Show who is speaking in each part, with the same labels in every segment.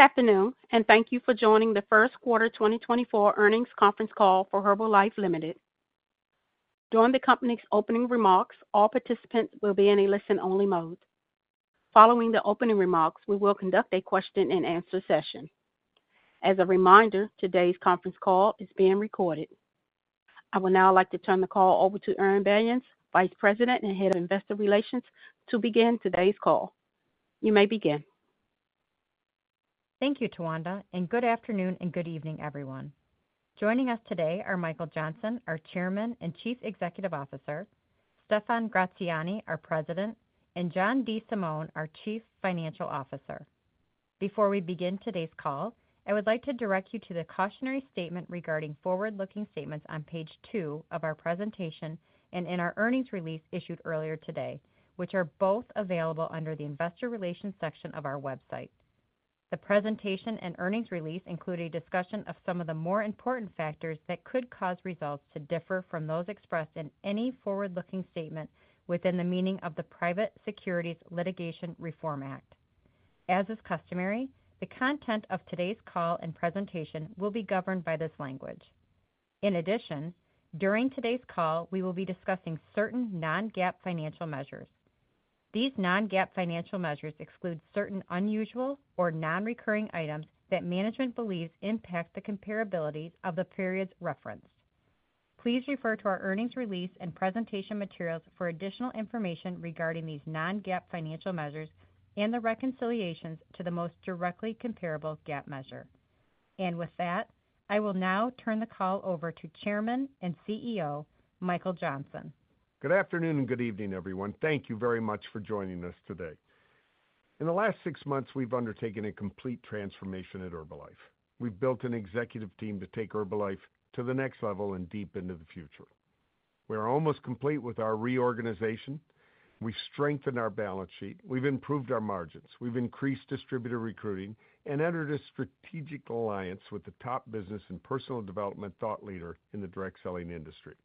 Speaker 1: Good afternoon, and thank you for joining the first quarter 2024 earnings conference call for Herbalife Limited. During the company's opening remarks, all participants will be in a listen-only mode. Following the opening remarks, we will conduct a question-and-answer session. As a reminder, today's conference call is being recorded. I would now like to turn the call over to Erin Banyas, Vice President and Head of Investor Relations, to begin today's call. You may begin.
Speaker 2: Thank you, Tawanda, and good afternoon and good evening, everyone. Joining us today are Michael Johnson, our Chairman and Chief Executive Officer; Stephan Gratziani, our President; and John DeSimone, our Chief Financial Officer. Before we begin today's call, I would like to direct you to the cautionary statement regarding forward-looking statements on page two of our presentation and in our earnings release issued earlier today, which are both available under the Investor Relations section of our website. The presentation and earnings release include a discussion of some of the more important factors that could cause results to differ from those expressed in any forward-looking statement within the meaning of the Private Securities Litigation Reform Act. As is customary, the content of today's call and presentation will be governed by this language. In addition, during today's call we will be discussing certain non-GAAP financial measures. These non-GAAP financial measures exclude certain unusual or non-recurring items that management believes impact the comparability of the periods referenced. Please refer to our earnings release and presentation materials for additional information regarding these non-GAAP financial measures and the reconciliations to the most directly comparable GAAP measure. With that, I will now turn the call over to Chairman and CEO Michael Johnson.
Speaker 3: Good afternoon and good evening, everyone. Thank you very much for joining us today. In the last six months, we've undertaken a complete transformation at Herbalife. We've built an executive team to take Herbalife to the next level and deep into the future. We are almost complete with our reorganization. We've strengthened our balance sheet. We've improved our margins. We've increased distributor recruiting and entered a strategic alliance with the top business and personal development thought leader in the direct selling industry.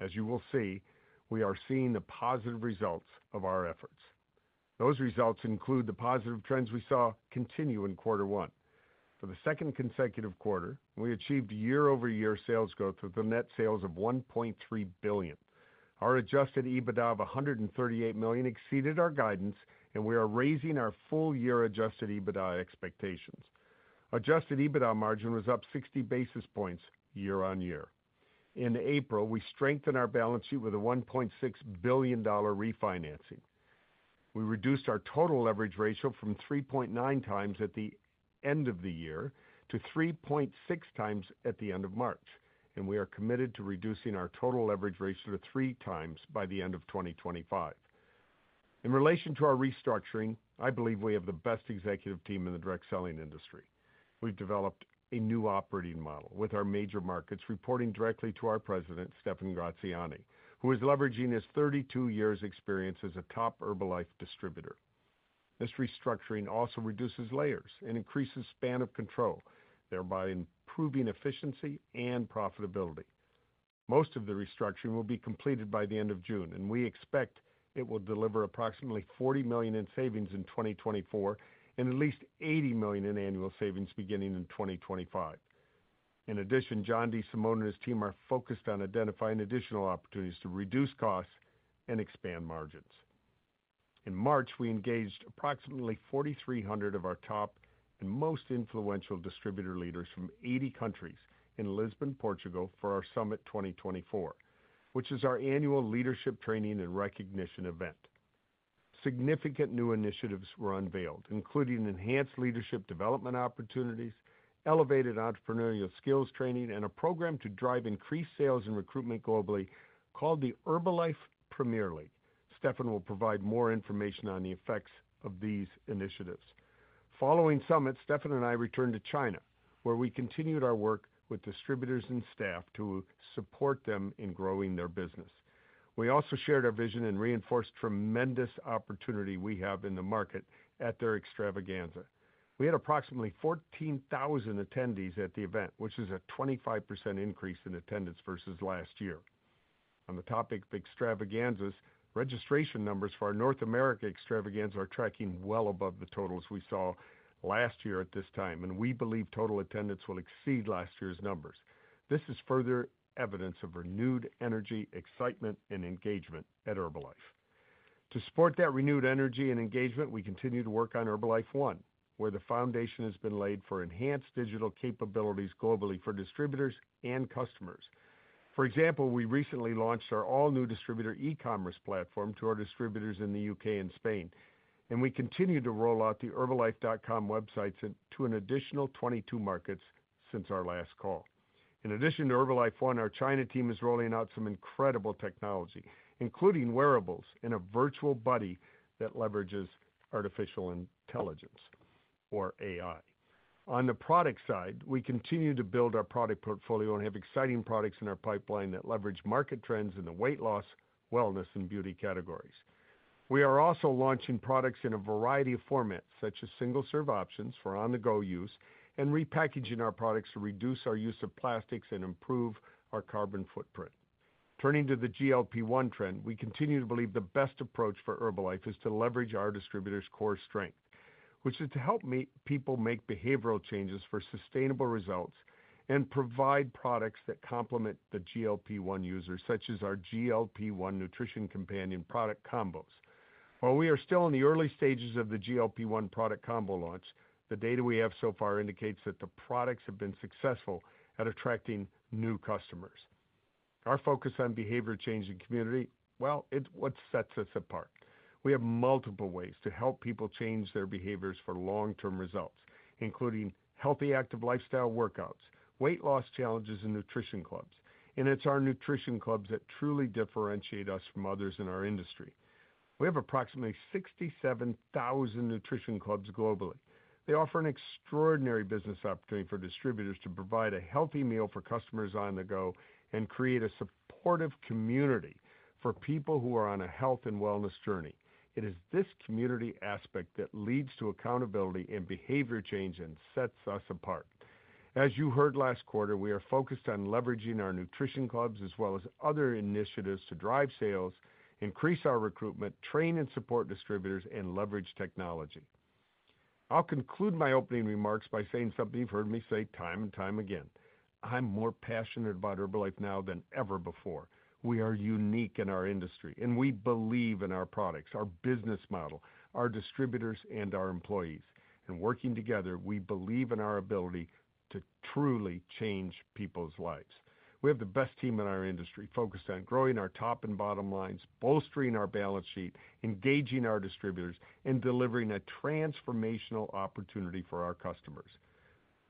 Speaker 3: As you will see, we are seeing the positive results of our efforts. Those results include the positive trends we saw continue in quarter one. For the second consecutive quarter, we achieved year-over-year sales growth with net sales of $1.3 billion. Our Adjusted EBITDA of $138 million exceeded our guidance, and we are raising our full-year Adjusted EBITDA expectations. Adjusted EBITDA margin was up 60 basis points year on year. In April, we strengthened our balance sheet with a $1.6 billion refinancing. We reduced our total leverage ratio from 3.9x at the end of the year to 3.6x at the end of March, and we are committed to reducing our total leverage ratio to 3x by the end of 2025. In relation to our restructuring, I believe we have the best executive team in the direct selling industry. We've developed a new operating model with our major markets reporting directly to our President, Stephan Gratziani, who is leveraging his 32 years' experience as a top Herbalife distributor. This restructuring also reduces layers and increases span of control, thereby improving efficiency and profitability. Most of the restructuring will be completed by the end of June, and we expect it will deliver approximately $40 million in savings in 2024 and at least $80 million in annual savings beginning in 2025. In addition, John DeSimone and his team are focused on identifying additional opportunities to reduce costs and expand margins. In March, we engaged approximately 4,300 of our top and most influential distributor leaders from 80 countries in Lisbon, Portugal, for our Summit 2024, which is our annual leadership training and recognition event. Significant new initiatives were unveiled, including enhanced leadership development opportunities, elevated entrepreneurial skills training, and a program to drive increased sales and recruitment globally called the Herbalife Premier League. Stephan will provide more information on the effects of these initiatives. Following Summit, Stephan and I returned to China, where we continued our work with distributors and staff to support them in growing their business. We also shared our vision and reinforced tremendous opportunity we have in the market at their Extravaganza. We had approximately 14,000 attendees at the event, which is a 25% increase in attendance versus last year. On the topic of Extravaganzas, registration numbers for our North America Extravaganza are tracking well above the totals we saw last year at this time, and we believe total attendance will exceed last year's numbers. This is further evidence of renewed energy, excitement, and engagement at Herbalife. To support that renewed energy and engagement, we continue to work on Herbalife One, where the foundation has been laid for enhanced digital capabilities globally for distributors and customers. For example, we recently launched our all-new distributor e-commerce platform to our distributors in the U.K. and Spain, and we continue to roll out the Herbalife.com websites to an additional 22 markets since our last call. In addition to Herbalife One, our China team is rolling out some incredible technology, including wearables and a virtual buddy that leverages artificial intelligence, or AI. On the product side, we continue to build our product portfolio and have exciting products in our pipeline that leverage market trends in the weight loss, wellness, and beauty categories. We are also launching products in a variety of formats, such as single-serve options for on-the-go use and repackaging our products to reduce our use of plastics and improve our carbon footprint. Turning to the GLP-1 trend, we continue to believe the best approach for Herbalife is to leverage our distributors' core strength, which is to help people make behavioral changes for sustainable results and provide products that complement the GLP-1 users, such as our GLP-1 Nutrition Companion product combos. While we are still in the early stages of the GLP-1 Product Combo launch, the data we have so far indicates that the products have been successful at attracting new customers. Our focus on behavior change in community, well, it's what sets us apart. We have multiple ways to help people change their behaviors for long-term results, including healthy, active lifestyle workouts, weight loss challenges, and nutrition clubs. And it's our nutrition clubs that truly differentiate us from others in our industry. We have approximately 67,000 nutrition clubs globally. They offer an extraordinary business opportunity for distributors to provide a healthy meal for customers on the go and create a supportive community for people who are on a health and wellness journey. It is this community aspect that leads to accountability and behavior change and sets us apart. As you heard last quarter, we are focused on leveraging our Nutrition Clubs as well as other initiatives to drive sales, increase our recruitment, train and support distributors, and leverage technology. I'll conclude my opening remarks by saying something you've heard me say time and time again. I'm more passionate about Herbalife now than ever before. We are unique in our industry, and we believe in our products, our business model, our distributors, and our employees. Working together, we believe in our ability to truly change people's lives. We have the best team in our industry focused on growing our top and bottom lines, bolstering our balance sheet, engaging our distributors, and delivering a transformational opportunity for our customers.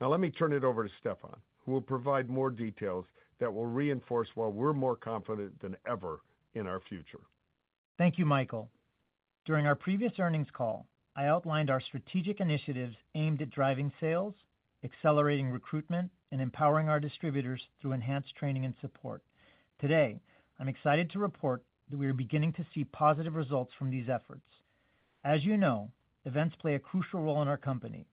Speaker 3: Now, let me turn it over to Stephan, who will provide more details that will reinforce why we're more confident than ever in our future.
Speaker 4: Thank you, Michael. During our previous earnings call, I outlined our strategic initiatives aimed at driving sales, accelerating recruitment, and empowering our distributors through enhanced training and support. Today, I'm excited to report that we are beginning to see positive results from these efforts. As you know, events play a crucial role in our company.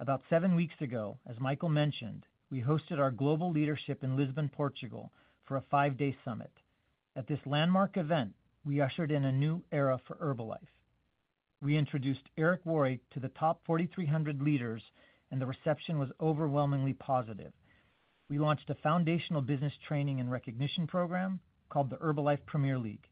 Speaker 4: About seven weeks ago, as Michael mentioned, we hosted our global leadership in Lisbon, Portugal, for a five-day summit. At this landmark event, we ushered in a new era for Herbalife. We introduced Eric Worre to the top 4,300 leaders, and the reception was overwhelmingly positive. We launched a foundational business training and recognition program called the Herbalife Premier League.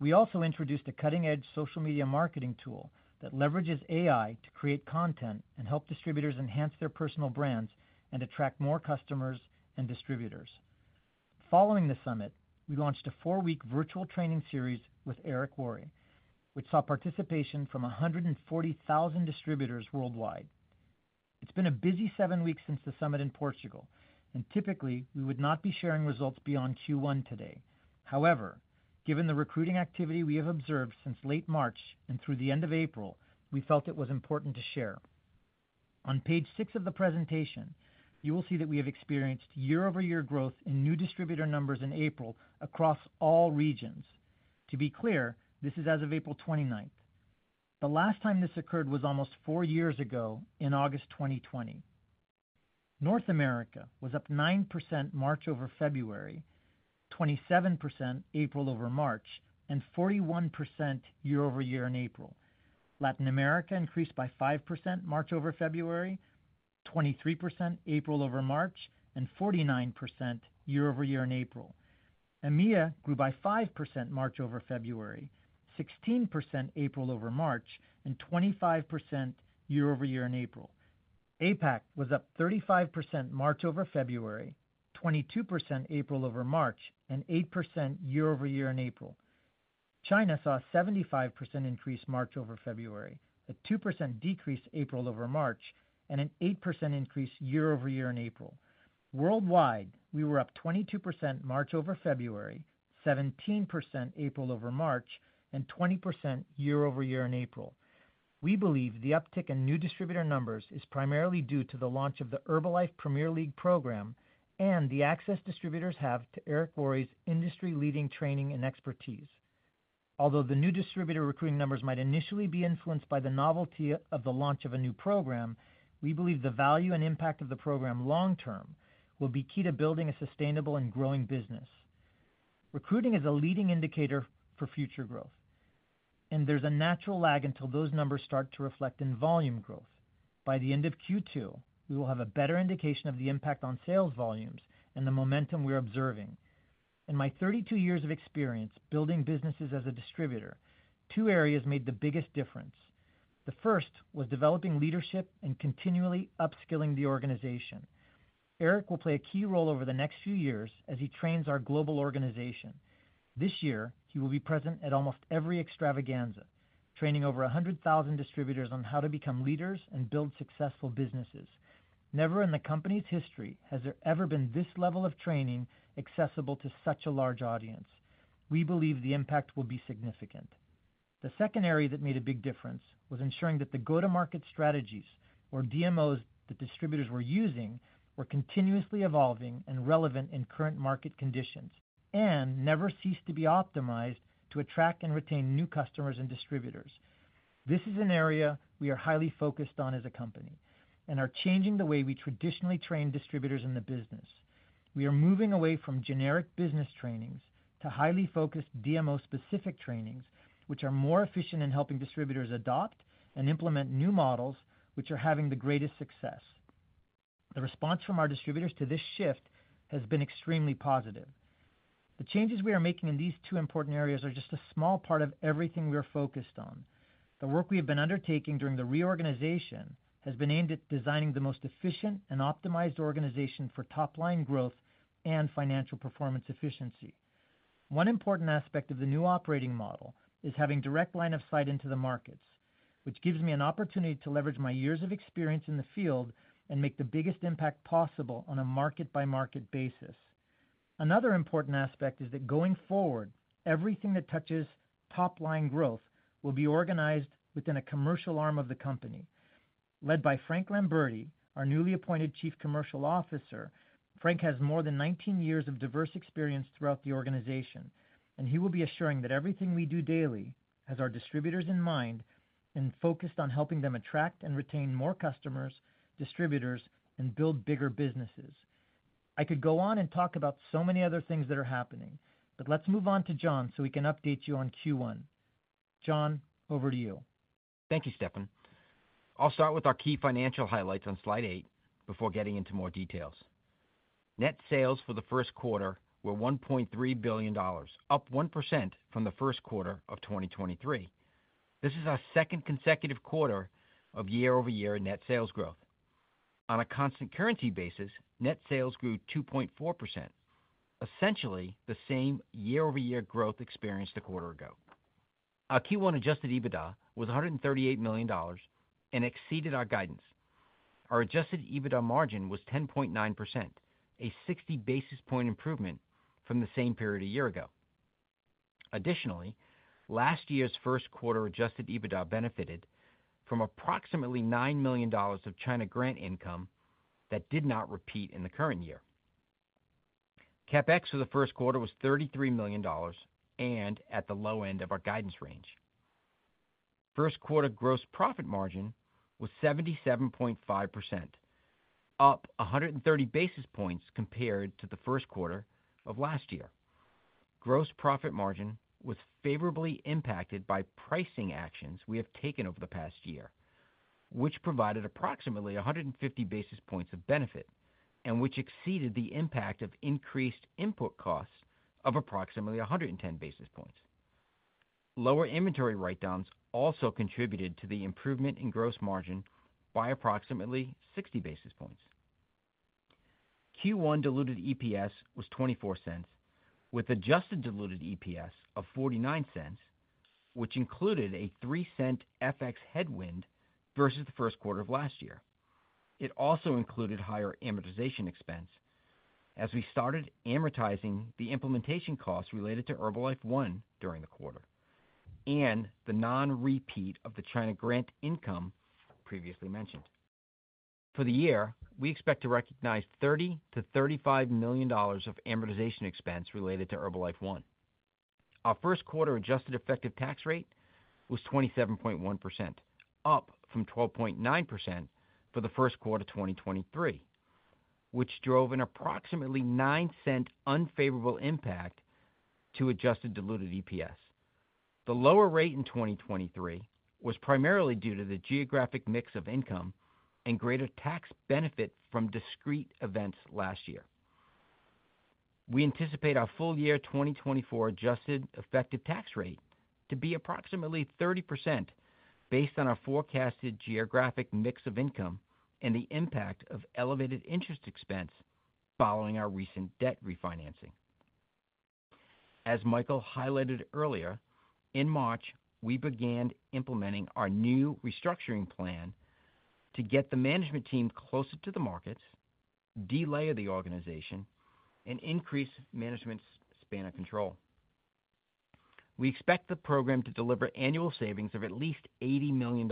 Speaker 4: We also introduced a cutting-edge social media marketing tool that leverages AI to create content and help distributors enhance their personal brands and attract more customers and distributors. Following the summit, we launched a four-week virtual training series with Eric Worre, which saw participation from 140,000 distributors worldwide. It's been a busy seven weeks since the summit in Portugal, and typically we would not be sharing results beyond Q1 today. However, given the recruiting activity we have observed since late March and through the end of April, we felt it was important to share. On page six of the presentation, you will see that we have experienced year-over-year growth in new distributor numbers in April across all regions. To be clear, this is as of April 29th. The last time this occurred was almost four years ago, in August 2020. North America was up 9% March over February, 27% April over March, and 41% year-over-year in April. Latin America increased by 5% March over February, 23% April over March, and 49% year-over-year in April. EMEA grew by 5% March over February, 16% April over March, and 25% year-over-year in April. APAC was up 35% March over February, 22% April over March, and 8% year-over-year in April. China saw a 75% increase March over February, a 2% decrease April over March, and an 8% increase year-over-year in April. Worldwide, we were up 22% March over February, 17% April over March, and 20% year-over-year in April. We believe the uptick in new distributor numbers is primarily due to the launch of the Herbalife Premier League program and the access distributors have to Eric Worre's industry-leading training and expertise. Although the new distributor recruiting numbers might initially be influenced by the novelty of the launch of a new program, we believe the value and impact of the program long-term will be key to building a sustainable and growing business. Recruiting is a leading indicator for future growth. There's a natural lag until those numbers start to reflect in volume growth. By the end of Q2, we will have a better indication of the impact on sales volumes and the momentum we're observing. In my 32 years of experience building businesses as a distributor, two areas made the biggest difference. The first was developing leadership and continually upskilling the organization. Eric will play a key role over the next few years as he trains our global organization. This year, he will be present at almost every Extravaganza, training over 100,000 distributors on how to become leaders and build successful businesses. Never in the company's history has there ever been this level of training accessible to such a large audience. We believe the impact will be significant. The second area that made a big difference was ensuring that the go-to-market strategies, or DMOs, that distributors were using were continuously evolving and relevant in current market conditions and never ceased to be optimized to attract and retain new customers and distributors. This is an area we are highly focused on as a company and are changing the way we traditionally train distributors in the business. We are moving away from generic business trainings to highly focused DMO-specific trainings, which are more efficient in helping distributors adopt and implement new models, which are having the greatest success. The response from our distributors to this shift has been extremely positive. The changes we are making in these two important areas are just a small part of everything we are focused on. The work we have been undertaking during the reorganization has been aimed at designing the most efficient and optimized organization for top-line growth and financial performance efficiency. One important aspect of the new operating model is having direct line of sight into the markets, which gives me an opportunity to leverage my years of experience in the field and make the biggest impact possible on a market-by-market basis. Another important aspect is that going forward, everything that touches top-line growth will be organized within a commercial arm of the company. Led by Frank Lamberti, our newly appointed Chief Commercial Officer, Frank has more than 19 years of diverse experience throughout the organization, and he will be assuring that everything we do daily has our distributors in mind and focused on helping them attract and retain more customers, distributors, and build bigger businesses. I could go on and talk about so many other things that are happening, but let's move on to John so we can update you on Q1. John, over to you.
Speaker 5: Thank you, Stephan. I'll start with our key financial highlights on slide eight before getting into more details. Net sales for the first quarter were $1.3 billion, up 1% from the first quarter of 2023. This is our second consecutive quarter of year-over-year net sales growth. On a constant currency basis, net sales grew 2.4%, essentially the same year-over-year growth experienced a quarter ago. Our Q1 Adjusted EBITDA was $138 million and exceeded our guidance. Our Adjusted EBITDA margin was 10.9%, a 60 basis point improvement from the same period a year ago. Additionally, last year's first quarter Adjusted EBITDA benefited from approximately $9 million of China grant income that did not repeat in the current year. CapEx for the first quarter was $33 million and at the low end of our guidance range. First quarter gross profit margin was 77.5%, up 130 basis points compared to the first quarter of last year. Gross profit margin was favorably impacted by pricing actions we have taken over the past year, which provided approximately 150 basis points of benefit and which exceeded the impact of increased input costs of approximately 110 basis points. Lower inventory write-downs also contributed to the improvement in gross margin by approximately 60 basis points. Q1 diluted EPS was $0.24, with Adjusted diluted EPS of $0.49, which included a $0.03 FX headwind versus the first quarter of last year. It also included higher amortization expense as we started amortizing the implementation costs related to Herbalife One during the quarter and the non-repeat of the China grant income previously mentioned. For the year, we expect to recognize $30 million-$35 million of amortization expense related to Herbalife One. Our first quarter Adjusted effective tax rate was 27.1%, up from 12.9% for the first quarter 2023, which drove an approximately $0.09 unfavorable impact to Adjusted diluted EPS. The lower rate in 2023 was primarily due to the geographic mix of income and greater tax benefit from discrete events last year. We anticipate our full-year 2024 Adjusted effective tax rate to be approximately 30% based on our forecasted geographic mix of income and the impact of elevated interest expense following our recent debt refinancing. As Michael highlighted earlier, in March we began implementing our new restructuring plan to get the management team closer to the markets, delay the organization, and increase management's span of control. We expect the program to deliver annual savings of at least $80 million,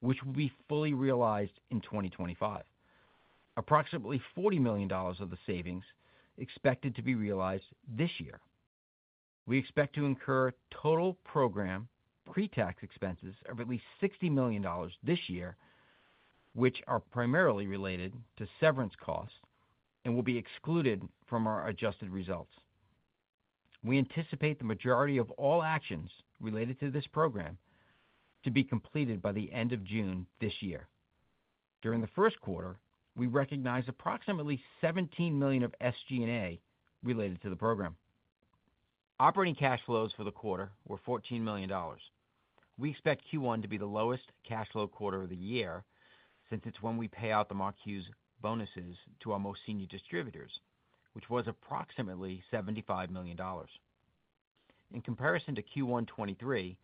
Speaker 5: which will be fully realized in 2025. Approximately $40 million of the savings are expected to be realized this year. We expect to incur total program pre-tax expenses of at least $60 million this year, which are primarily related to severance costs and will be excluded from our adjusted results. We anticipate the majority of all actions related to this program to be completed by the end of June this year. During the first quarter, we recognize approximately $17 million of SG&A related to the program. Operating cash flows for the quarter were $14 million. We expect Q1 to be the lowest cash flow quarter of the year since it's when we pay out the Mark Hughes' bonuses to our most senior distributors, which was approximately $75 million. In comparison to Q1 2023,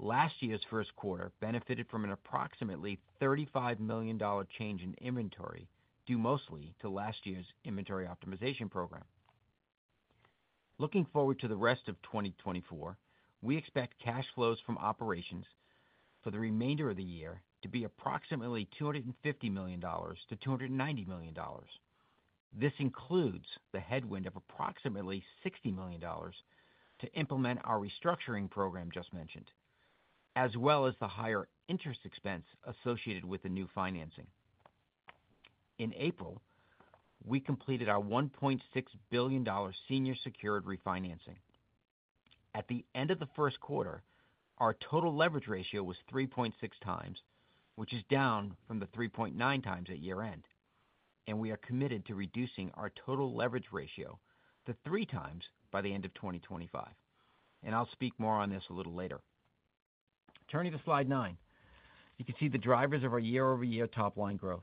Speaker 5: last year's first quarter benefited from an approximately $35 million change in inventory due mostly to last year's inventory optimization program. Looking forward to the rest of 2024, we expect cash flows from operations for the remainder of the year to be approximately $250 million-$290 million. This includes the headwind of approximately $60 million to implement our restructuring program just mentioned, as well as the higher interest expense associated with the new financing. In April, we completed our $1.6 billion senior secured refinancing. At the end of the first quarter, our total leverage ratio was 3.6x, which is down from the 3.9x at year-end. We are committed to reducing our total leverage ratio to 3x by the end of 2025. I'll speak more on this a little later. Turning to slide nine, you can see the drivers of our year-over-year top-line growth.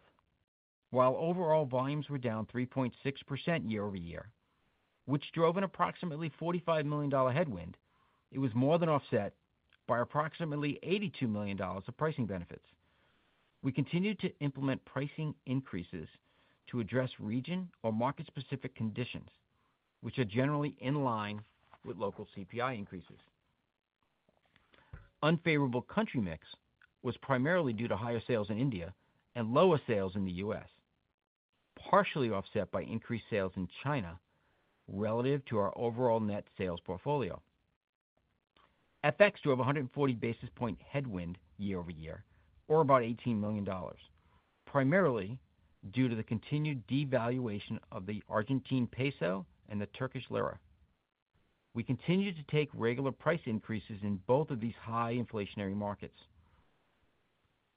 Speaker 5: While overall volumes were down 3.6% year-over-year, which drove an approximately $45 million headwind, it was more than offset by approximately $82 million of pricing benefits. We continued to implement pricing increases to address region or market-specific conditions, which are generally in line with local CPI increases. Unfavorable country mix was primarily due to higher sales in India and lower sales in the U.S., partially offset by increased sales in China relative to our overall net sales portfolio. FX drove a 140 basis point headwind year-over-year, or about $18 million, primarily due to the continued devaluation of the Argentine peso and the Turkish lira. We continued to take regular price increases in both of these high inflationary markets.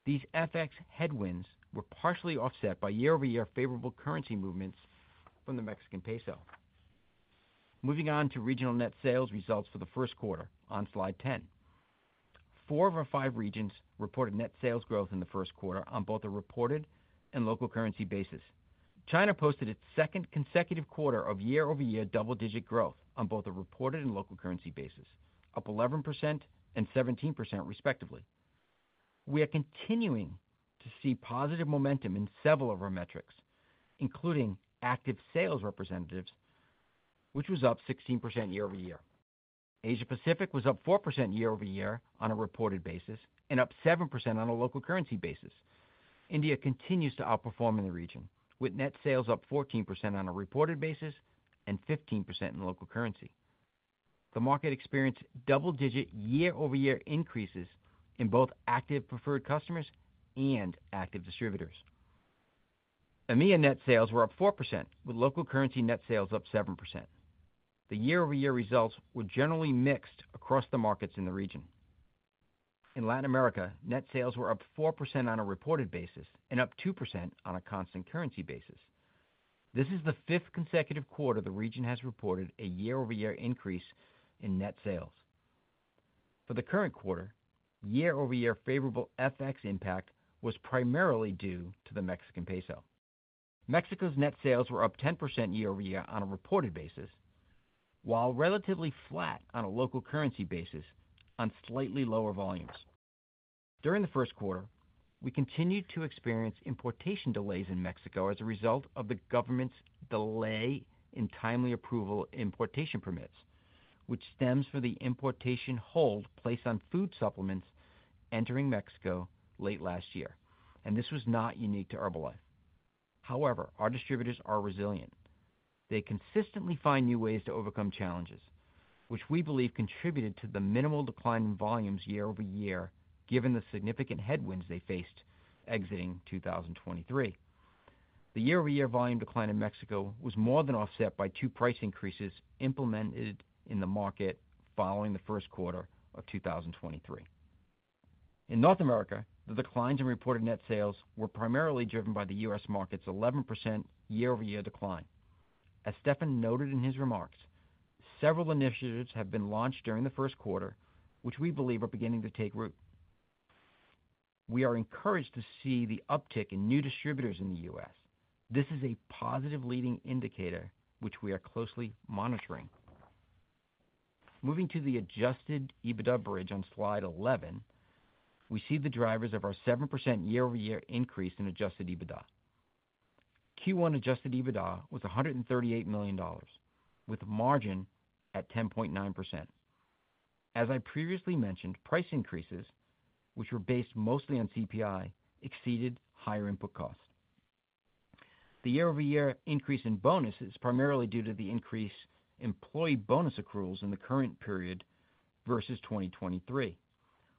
Speaker 5: These FX headwinds were partially offset by year-over-year favorable currency movements from the Mexican peso. Moving on to regional net sales results for the first quarter on slide 10. Four of our five regions reported net sales growth in the first quarter on both a reported and local currency basis. China posted its second consecutive quarter of year-over-year double-digit growth on both a reported and local currency basis, up 11% and 17% respectively. We are continuing to see positive momentum in several of our metrics, including active sales representatives, which was up 16% year-over-year. Asia-Pacific was up 4% year-over-year on a reported basis and up 7% on a local currency basis. India continues to outperform in the region, with net sales up 14% on a reported basis and 15% in local currency. The market experienced double-digit year-over-year increases in both active preferred customers and active distributors. EMEA net sales were up 4%, with local currency net sales up 7%. The year-over-year results were generally mixed across the markets in the region. In Latin America, net sales were up 4% on a reported basis and up 2% on a constant currency basis. This is the fifth consecutive quarter the region has reported a year-over-year increase in net sales. For the current quarter, year-over-year favorable FX impact was primarily due to the Mexican peso. Mexico's net sales were up 10% year-over-year on a reported basis, while relatively flat on a local currency basis on slightly lower volumes. During the first quarter, we continued to experience importation delays in Mexico as a result of the government's delay in timely approval of importation permits, which stems from the importation hold placed on food supplements entering Mexico late last year. This was not unique to Herbalife. However, our distributors are resilient. They consistently find new ways to overcome challenges, which we believe contributed to the minimal decline in volumes year-over-year given the significant headwinds they faced exiting 2023. The year-over-year volume decline in Mexico was more than offset by two price increases implemented in the market following the first quarter of 2023. In North America, the declines in reported net sales were primarily driven by the U.S. market's 11% year-over-year decline. As Stephan noted in his remarks, several initiatives have been launched during the first quarter, which we believe are beginning to take root. We are encouraged to see the uptick in new distributors in the U.S. This is a positive leading indicator, which we are closely monitoring. Moving to the Adjusted EBITDA bridge on slide 11, we see the drivers of our 7% year-over-year increase in Adjusted EBITDA. Q1 Adjusted EBITDA was $138 million, with a margin at 10.9%. As I previously mentioned, price increases, which were based mostly on CPI, exceeded higher input costs. The year-over-year increase in bonuses is primarily due to the increased employee bonus accruals in the current period versus 2023,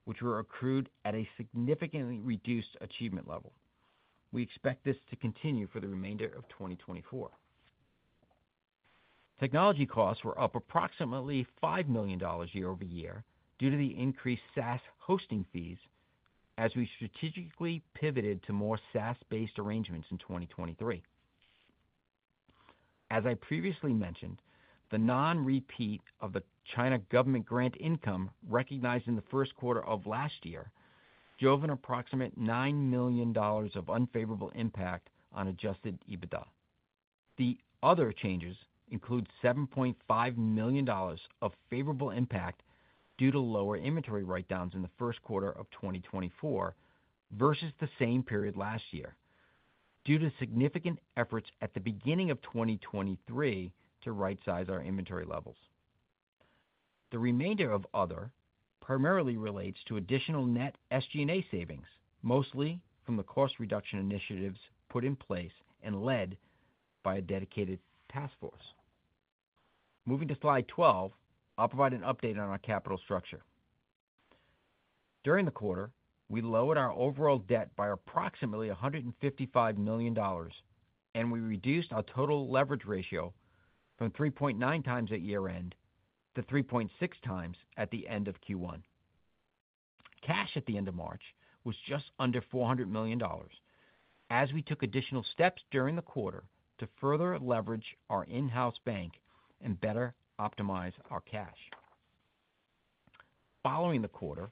Speaker 5: which were accrued at a significantly reduced achievement level. We expect this to continue for the remainder of 2024. Technology costs were up approximately $5 million year-over-year due to the increased SaaS hosting fees as we strategically pivoted to more SaaS-based arrangements in 2023. As I previously mentioned, the non-repeat of the China government grant income recognized in the first quarter of last year drove an approximate $9 million of unfavorable impact on Adjusted EBITDA. The other changes include $7.5 million of favorable impact due to lower inventory write-downs in the first quarter of 2024 versus the same period last year, due to significant efforts at the beginning of 2023 to right-size our inventory levels. The remainder of "other" primarily relates to additional net SG&A savings, mostly from the cost reduction initiatives put in place and led by a dedicated task force. Moving to slide 12, I'll provide an update on our capital structure. During the quarter, we lowered our overall debt by approximately $155 million, and we reduced our total leverage ratio from 3.9x at year-end to 3.6x at the end of Q1. Cash at the end of March was just under $400 million as we took additional steps during the quarter to further leverage our in-house bank and better optimize our cash. Following the quarter,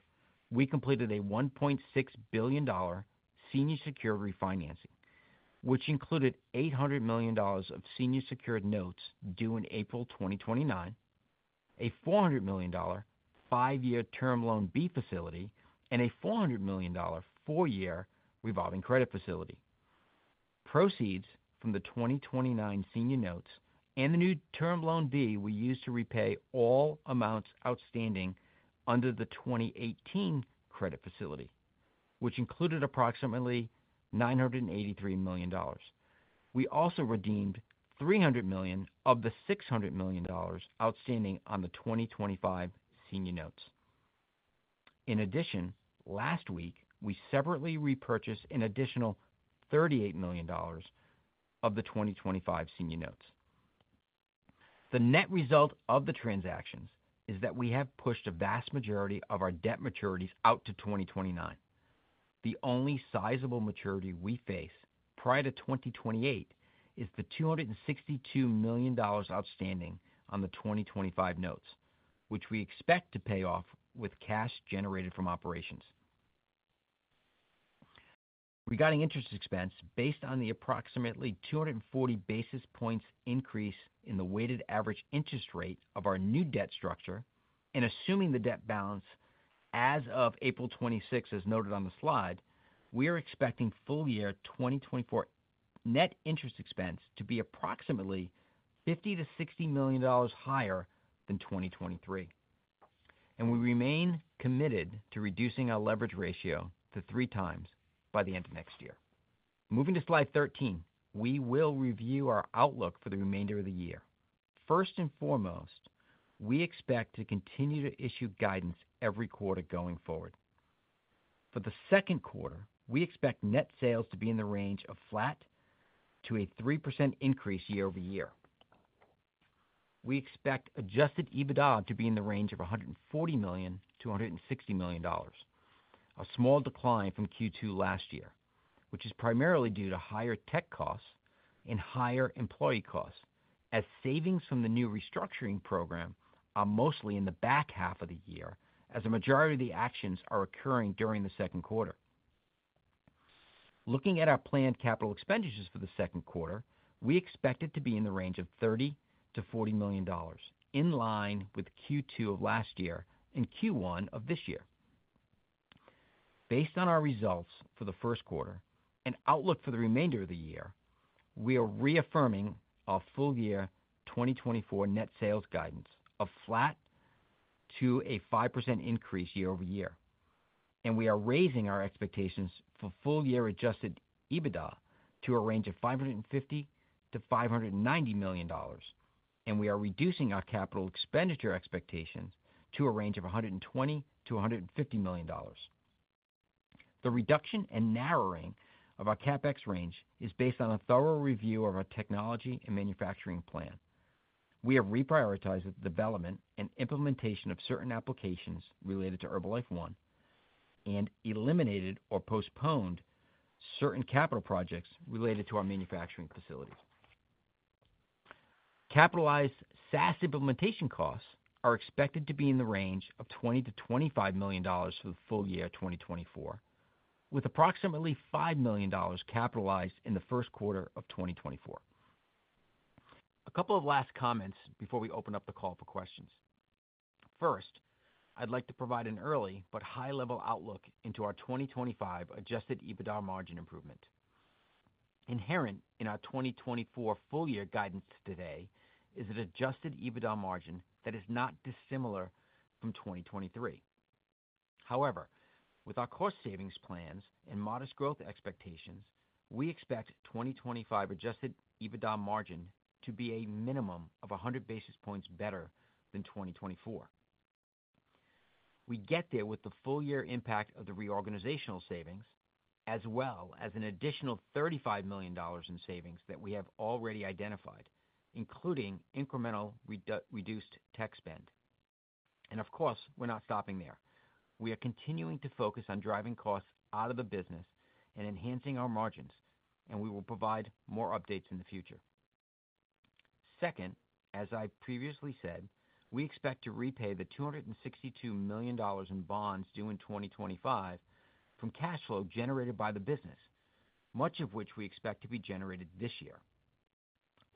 Speaker 5: we completed a $1.6 billion senior secured refinancing, which included $800 million of senior secured notes due in April 2029, a $400 million five-year Term Loan B facility, and a $400 million four-year revolving credit facility. Proceeds from the 2029 senior notes and the new Term Loan B we used to repay all amounts outstanding under the 2018 credit facility, which included approximately $983 million. We also redeemed $300 million of the $600 million outstanding on the 2025 senior notes. In addition, last week we separately repurchased an additional $38 million of the 2025 senior notes. The net result of the transactions is that we have pushed a vast majority of our debt maturities out to 2029. The only sizable maturity we face prior to 2028 is the $262 million outstanding on the 2025 notes, which we expect to pay off with cash generated from operations. Regarding interest expense, based on the approximately 240 basis points increase in the weighted average interest rate of our new debt structure and assuming the debt balance as of April 26, as noted on the slide, we are expecting full-year 2024 net interest expense to be approximately $50 million-$60 million higher than 2023. We remain committed to reducing our leverage ratio to 3x by the end of next year. Moving to slide 13, we will review our outlook for the remainder of the year. First and foremost, we expect to continue to issue guidance every quarter going forward. For the second quarter, we expect net sales to be in the range of flat to a 3% increase year-over-year. We expect Adjusted EBITDA to be in the range of $140 million-$160 million, a small decline from Q2 last year, which is primarily due to higher tech costs and higher employee costs as savings from the new restructuring program are mostly in the back half of the year as a majority of the actions are occurring during the second quarter. Looking at our planned capital expenditures for the second quarter, we expect it to be in the range of $30 million-$40 million, in line with Q2 of last year and Q1 of this year. Based on our results for the first quarter and outlook for the remainder of the year, we are reaffirming our full-year 2024 net sales guidance of flat to a 5% increase year-over-year. We are raising our expectations for full-year Adjusted EBITDA to a range of $550 million-$590 million, and we are reducing our capital expenditure expectations to a range of $120 million-$150 million. The reduction and narrowing of our CapEx range is based on a thorough review of our technology and manufacturing plan. We have reprioritized the development and implementation of certain applications related to Herbalife One and eliminated or postponed certain capital projects related to our manufacturing facilities. Capitalized SaaS implementation costs are expected to be in the range of $20 million-$25 million for the full year 2024, with approximately $5 million capitalized in the first quarter of 2024. A couple of last comments before we open up the call for questions. First, I'd like to provide an early but high-level outlook into our 2025 Adjusted EBITDA margin improvement. Inherent in our 2024 full-year guidance today is an Adjusted EBITDA margin that is not dissimilar from 2023. However, with our cost savings plans and modest growth expectations, we expect 2025 Adjusted EBITDA margin to be a minimum of 100 basis points better than 2024. We get there with the full-year impact of the reorganizational savings as well as an additional $35 million in savings that we have already identified, including incremental reduced tech spend. And of course, we're not stopping there. We are continuing to focus on driving costs out of the business and enhancing our margins, and we will provide more updates in the future. Second, as I previously said, we expect to repay the $262 million in bonds due in 2025 from cash flow generated by the business, much of which we expect to be generated this year.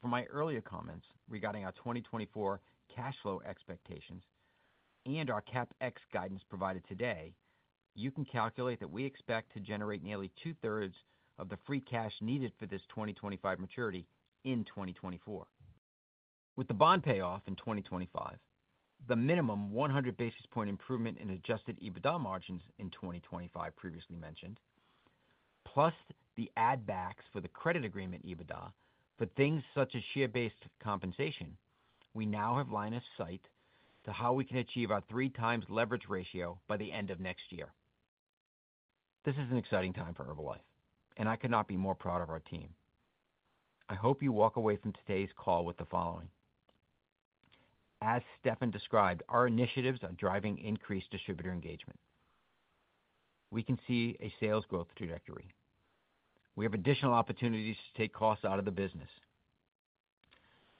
Speaker 5: From my earlier comments regarding our 2024 cash flow expectations and our CapEx guidance provided today, you can calculate that we expect to generate nearly two-thirds of the free cash needed for this 2025 maturity in 2024. With the bond payoff in 2025, the minimum 100 basis points improvement in Adjusted EBITDA margins in 2025 previously mentioned, plus the add-backs for the Credit Agreement EBITDA for things such as share-based compensation, we now have line of sight to how we can achieve our 3x leverage ratio by the end of next year. This is an exciting time for Herbalife, and I could not be more proud of our team. I hope you walk away from today's call with the following: As Stephan described, our initiatives are driving increased distributor engagement. We can see a sales growth trajectory. We have additional opportunities to take costs out of the business.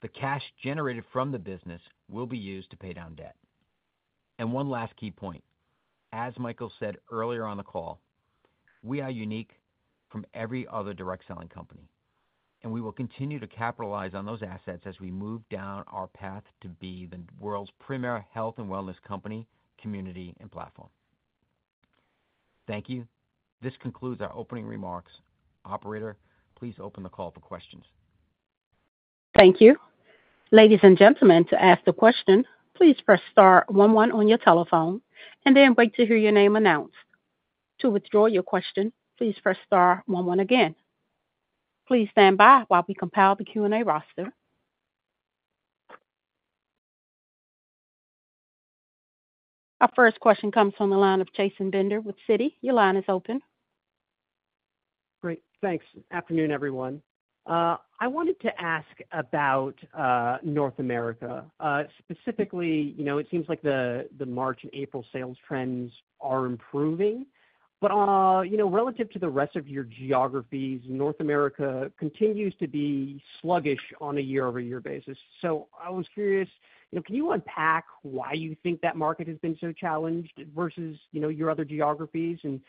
Speaker 5: The cash generated from the business will be used to pay down debt. And one last key point: As Michael said earlier on the call, we are unique from every other direct selling company, and we will continue to capitalize on those assets as we move down our path to be the world's premier health and wellness company, community, and platform. Thank you. This concludes our opening remarks. Operator, please open the call for questions.
Speaker 1: Thank you. Ladies and gentlemen, to ask a question, please press star 11 on your telephone and then wait to hear your name announced. To withdraw your question, please press star 11 again. Please stand by while we compile the Q&A roster. Our first question comes from the line of Chasen Bender with Citi. Your line is open.
Speaker 6: Great. Thanks. Afternoon, everyone. I wanted to ask about North America. Specifically, it seems like the March and April sales trends are improving, but relative to the rest of your geographies, North America continues to be sluggish on a year-over-year basis. So I was curious, can you unpack why you think that market has been so challenged versus your other geographies and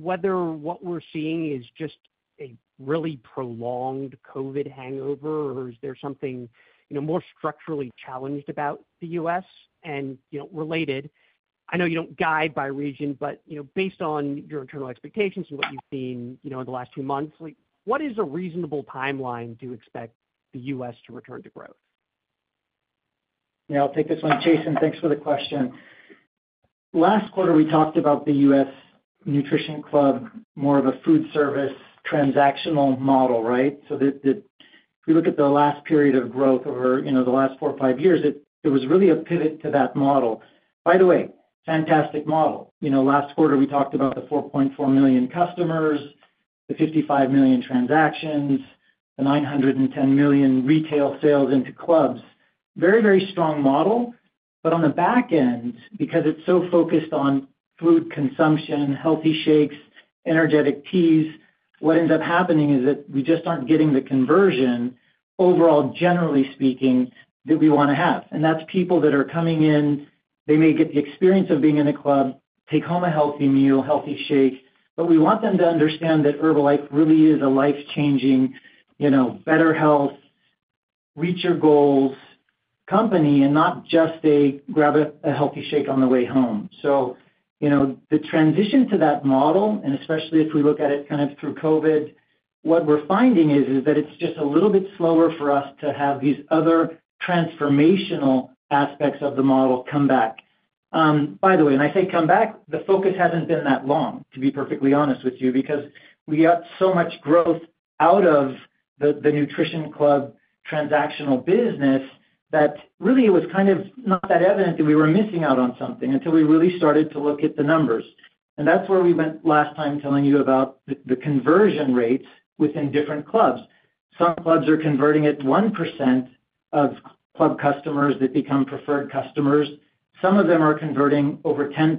Speaker 6: whether what we're seeing is just a really prolonged COVID hangover, or is there something more structurally challenged about the U.S.? And related, I know you don't guide by region, but based on your internal expectations and what you've seen in the last two months, what is a reasonable timeline to expect the U.S. to return to growth?
Speaker 4: Yeah, I'll take this one, Jason. Thanks for the question. Last quarter, we talked about the U.S. Nutrition Club, more of a food service transactional model, right? So if we look at the last period of growth over the last four or five years, there was really a pivot to that model. By the way, fantastic model. Last quarter, we talked about the 4.4 million customers, the 55 million transactions, the 910 million retail sales into clubs. Very, very strong model. But on the back end, because it's so focused on food consumption, healthy shakes, energetic teas, what ends up happening is that we just aren't getting the conversion, overall, generally speaking, that we want to have. And that's people that are coming in. They may get the experience of being in a club, take home a healthy meal, healthy shake, but we want them to understand that Herbalife really is a life-changing, better health, reach-your-goals company and not just a grab a healthy shake on the way home. So the transition to that model, and especially if we look at it kind of through COVID, what we're finding is that it's just a little bit slower for us to have these other transformational aspects of the model come back. By the way, and I say come back, the focus hasn't been that long, to be perfectly honest with you, because we got so much growth out of the Nutrition Club transactional business that really it was kind of not that evident that we were missing out on something until we really started to look at the numbers. That's where we went last time telling you about the conversion rates within different clubs. Some clubs are converting at 1% of club customers that become preferred customers. Some of them are converting over 10%.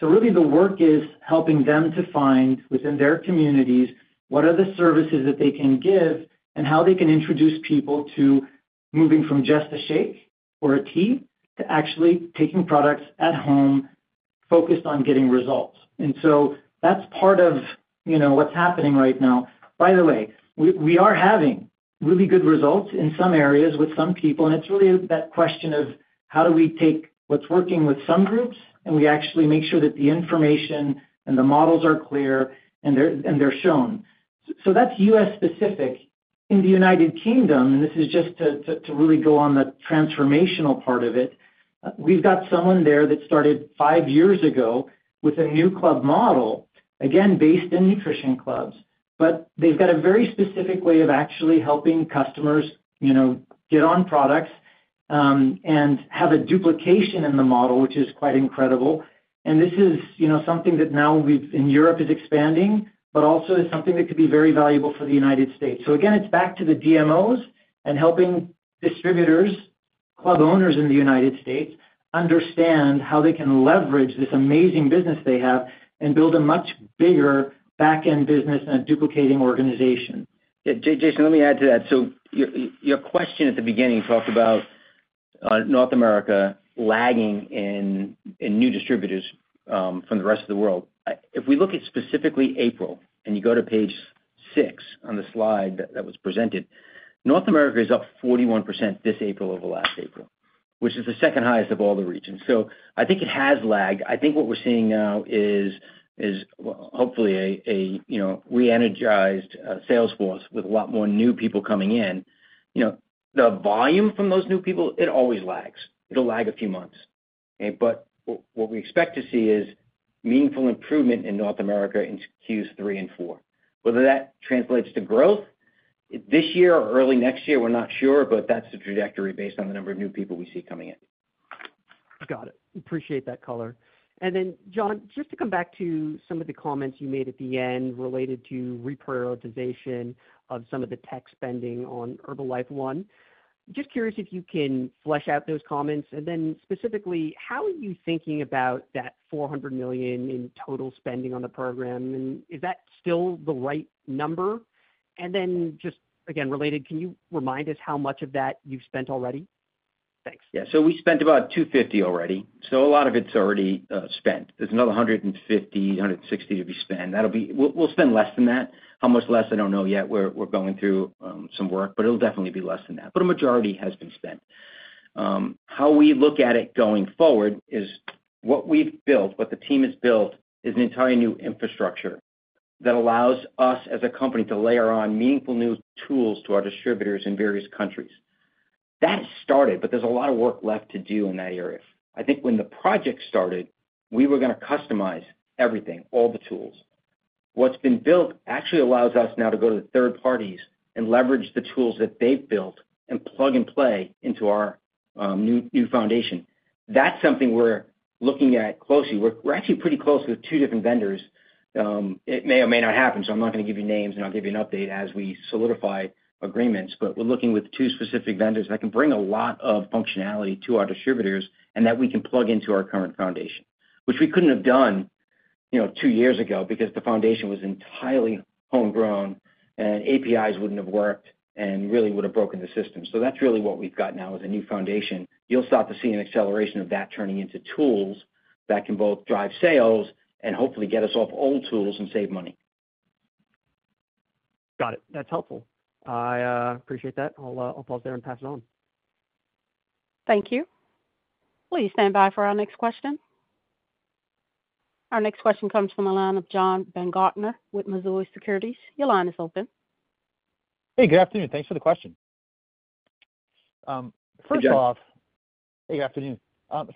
Speaker 4: So really, the work is helping them to find, within their communities, what are the services that they can give and how they can introduce people to moving from just a shake or a tea to actually taking products at home focused on getting results. And so that's part of what's happening right now. By the way, we are having really good results in some areas with some people, and it's really that question of how do we take what's working with some groups and we actually make sure that the information and the models are clear and they're shown. So that's U.S. specific. In the United Kingdom, and this is just to really go on the transformational part of it, we've got someone there that started five years ago with a new club model, again, based in nutrition clubs, but they've got a very specific way of actually helping customers get on products and have a duplication in the model, which is quite incredible. And this is something that now in Europe is expanding, but also is something that could be very valuable for the United States. So again, it's back to the DMOs and helping distributors, club owners in the United States, understand how they can leverage this amazing business they have and build a much bigger backend business and a duplicating organization.
Speaker 5: Jason, let me add to that. So your question at the beginning talked about North America lagging in new distributors from the rest of the world. If we look at specifically April and you go to page six on the slide that was presented, North America is up 41% this April over last April, which is the second highest of all the regions. So I think it has lagged. I think what we're seeing now is, hopefully, a re-energized sales force with a lot more new people coming in. The volume from those new people, it always lags. It'll lag a few months. But what we expect to see is meaningful improvement in North America in Q3 and 4. Whether that translates to growth this year or early next year, we're not sure, but that's the trajectory based on the number of new people we see coming in.
Speaker 6: Got it. Appreciate that color. And then, John, just to come back to some of the comments you made at the end related to reprioritization of some of the tech spending on Herbalife One, just curious if you can flesh out those comments. And then specifically, how are you thinking about that $400 million in total spending on the program? And is that still the right number? And then just again, related, can you remind us how much of that you've spent already? Thanks.
Speaker 5: Yeah. So we spent about $250 million already. So a lot of it's already spent. There's another $150 million-$160 million to be spent. We'll spend less than that. How much less, I don't know yet. We're going through some work, but it'll definitely be less than that. But a majority has been spent. How we look at it going forward is what we've built, what the team has built, is an entirely new infrastructure that allows us as a company to layer on meaningful new tools to our distributors in various countries. That has started, but there's a lot of work left to do in that area. I think when the project started, we were going to customize everything, all the tools. What's been built actually allows us now to go to the third parties and leverage the tools that they've built and plug and play into our new foundation. That's something we're looking at closely. We're actually pretty close with two different vendors. It may or may not happen, so I'm not going to give you names, and I'll give you an update as we solidify agreements. But we're looking with two specific vendors that can bring a lot of functionality to our distributors and that we can plug into our current foundation, which we couldn't have done two years ago because the foundation was entirely homegrown and APIs wouldn't have worked and really would have broken the system. So that's really what we've got now as a new foundation. You'll start to see an acceleration of that turning into tools that can both drive sales and hopefully get us off old tools and save money.
Speaker 6: Got it. That's helpful. I appreciate that. I'll pause there and pass it on.
Speaker 1: Thank you. Will you stand by for our next question? Our next question comes from the line of John Baumgartner with Mizuho Securities. Your line is open.
Speaker 7: Hey, good afternoon. Thanks for the question. First off, hey, good afternoon.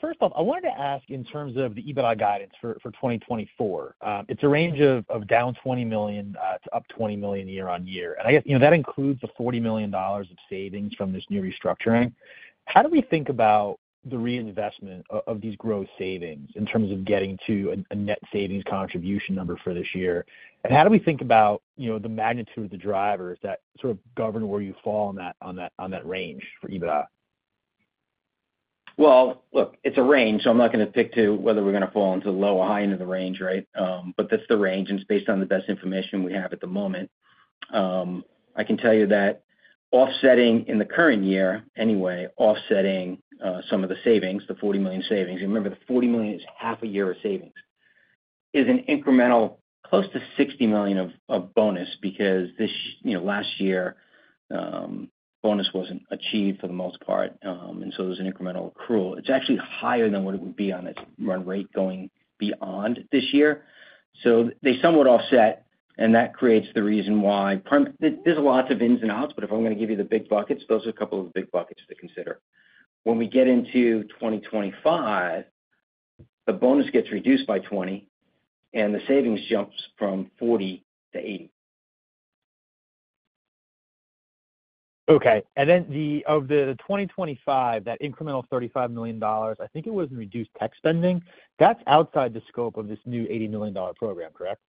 Speaker 7: First off, I wanted to ask in terms of the EBITDA guidance for 2024. It's a range of -$20 million to +$20 million year-over-year. And I guess that includes the $40 million of savings from this new restructuring. How do we think about the reinvestment of these growth savings in terms of getting to a net savings contribution number for this year? And how do we think about the magnitude of the drivers that sort of govern where you fall on that range for EBITDA?
Speaker 5: Well, look, it's a range, so I'm not going to speak to whether we're going to fall into low or high into the range, right? But that's the range, and it's based on the best information we have at the moment. I can tell you that offsetting in the current year, anyway, offsetting some of the savings, the $40 million savings remember, the $40 million is half a year of savings is an incremental close to $60 million of bonus because last year, bonus wasn't achieved for the most part, and so there's an incremental accrual. It's actually higher than what it would be on its run rate going beyond this year. So they somewhat offset, and that creates the reason why there's lots of ins and outs, but if I'm going to give you the big buckets, those are a couple of the big buckets to consider. When we get into 2025, the bonus gets reduced by $20 million, and the savings jumps from $40 million to $80 million.
Speaker 7: Okay. And then of the 2025, that incremental $35 million, I think it was in reduced tech spending. That's outside the scope of this new $80 million program, correct?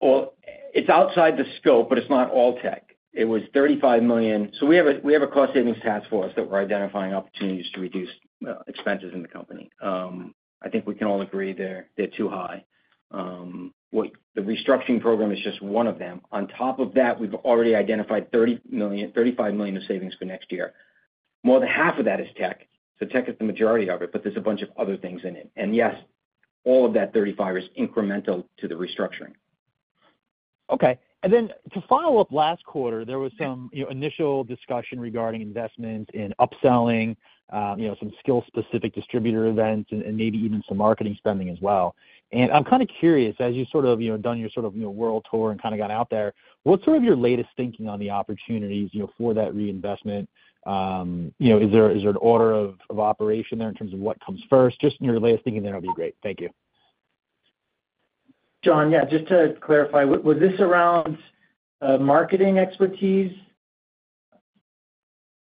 Speaker 8: Well, it's outside the scope, but it's not all tech. It was $35 million so we have a cost savings task force that we're identifying opportunities to reduce expenses in the company. I think we can all agree they're too high. The restructuring program is just one of them. On top of that, we've already identified $35 million of savings for next year. More than half of that is tech. So tech is the majority of it, but there's a bunch of other things in it. And yes, all of that $35 million is incremental to the restructuring. Okay. And then to follow up, last quarter, there was some initial discussion regarding investments in upselling, some skill-specific distributor events, and maybe even some marketing spending as well. And I'm kind of curious, as you've sort of done your sort of world tour and kind of got out there, what's sort of your latest thinking on the opportunities for that reinvestment? Is there an order of operation there in terms of what comes first? Just your latest thinking there would be great. Thank you.
Speaker 7: John, yeah, just to clarify, was this around marketing expertise?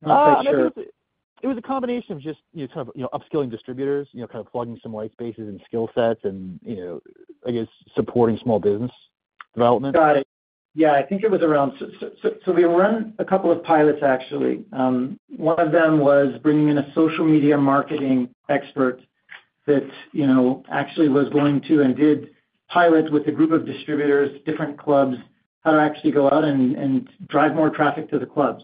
Speaker 5: I'm not quite sure. It was a combination of just kind of upskilling distributors, kind of plugging some white spaces and skill sets and, I guess, supporting small business development.
Speaker 7: Got it.
Speaker 5: Yeah, I think it was around so we run a couple of pilots, actually. One of them was bringing in a social media marketing expert that actually was going to and did pilots with a group of distributors, different clubs, how to actually go out and drive more traffic to the clubs.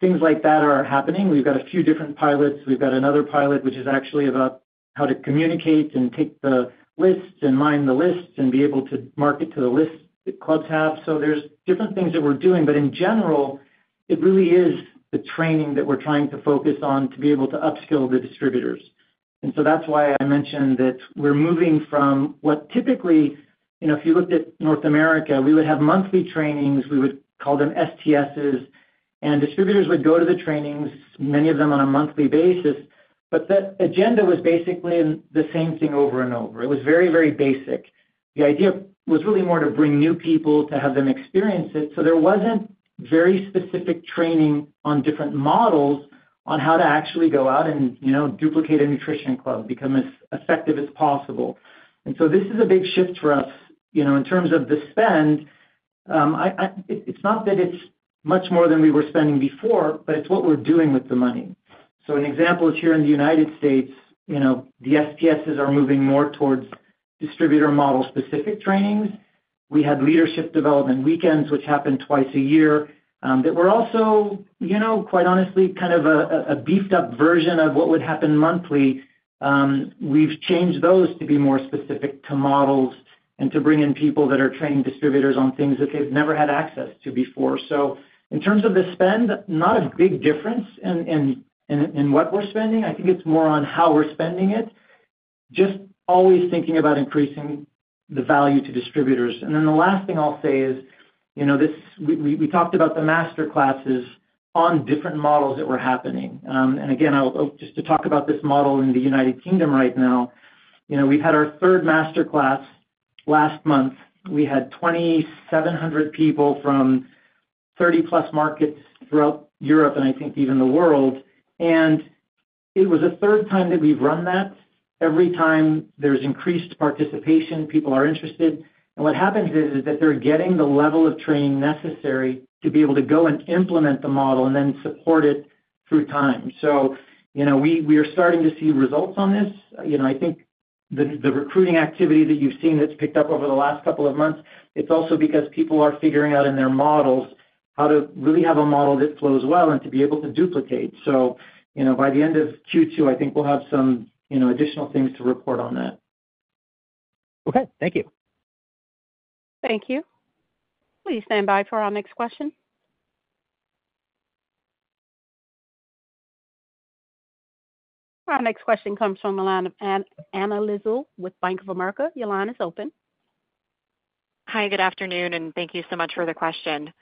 Speaker 5: Things like that are happening. We've got a few different pilots. We've got another pilot, which is actually about how to communicate and take the lists and mine the lists and be able to market to the lists that clubs have. There's different things that we're doing, but in general, it really is the training that we're trying to focus on to be able to upskill the distributors. That's why I mentioned that we're moving from what typically if you looked at North America, we would have monthly trainings. We would call them STSs, and distributors would go to the trainings, many of them on a monthly basis. But the agenda was basically the same thing over and over. It was very, very basic. The idea was really more to bring new people to have them experience it. So there wasn't very specific training on different models on how to actually go out and duplicate a nutrition club, become as effective as possible. And so this is a big shift for us in terms of the spend. It's not that it's much more than we were spending before, but it's what we're doing with the money. So an example is here in the United States, the STSs are moving more towards distributor model-specific trainings. We had leadership development weekends, which happened twice a year, that were also, quite honestly, kind of a beefed-up version of what would happen monthly. We've changed those to be more specific to models and to bring in people that are training distributors on things that they've never had access to before. So in terms of the spend, not a big difference in what we're spending. I think it's more on how we're spending it, just always thinking about increasing the value to distributors. And then the last thing I'll say is we talked about the master classes on different models that were happening. And again, just to talk about this model in the United Kingdom right now, we've had our third master class last month. We had 2,700 people from 30+ markets throughout Europe and I think even the world. And it was the third time that we've run that. Every time there's increased participation, people are interested. And what happens is that they're getting the level of training necessary to be able to go and implement the model and then support it through time. So we are starting to see results on this. I think the recruiting activity that you've seen that's picked up over the last couple of months, it's also because people are figuring out in their models how to really have a model that flows well and to be able to duplicate. So by the end of Q2, I think we'll have some additional things to report on that.
Speaker 7: Okay. Thank you.
Speaker 1: Thank you. Will you stand by for our next question? Our next question comes from the line of Anna Lizzul with Bank of America. Your line is open.
Speaker 9: Hi, good afternoon, and thank you so much for the question.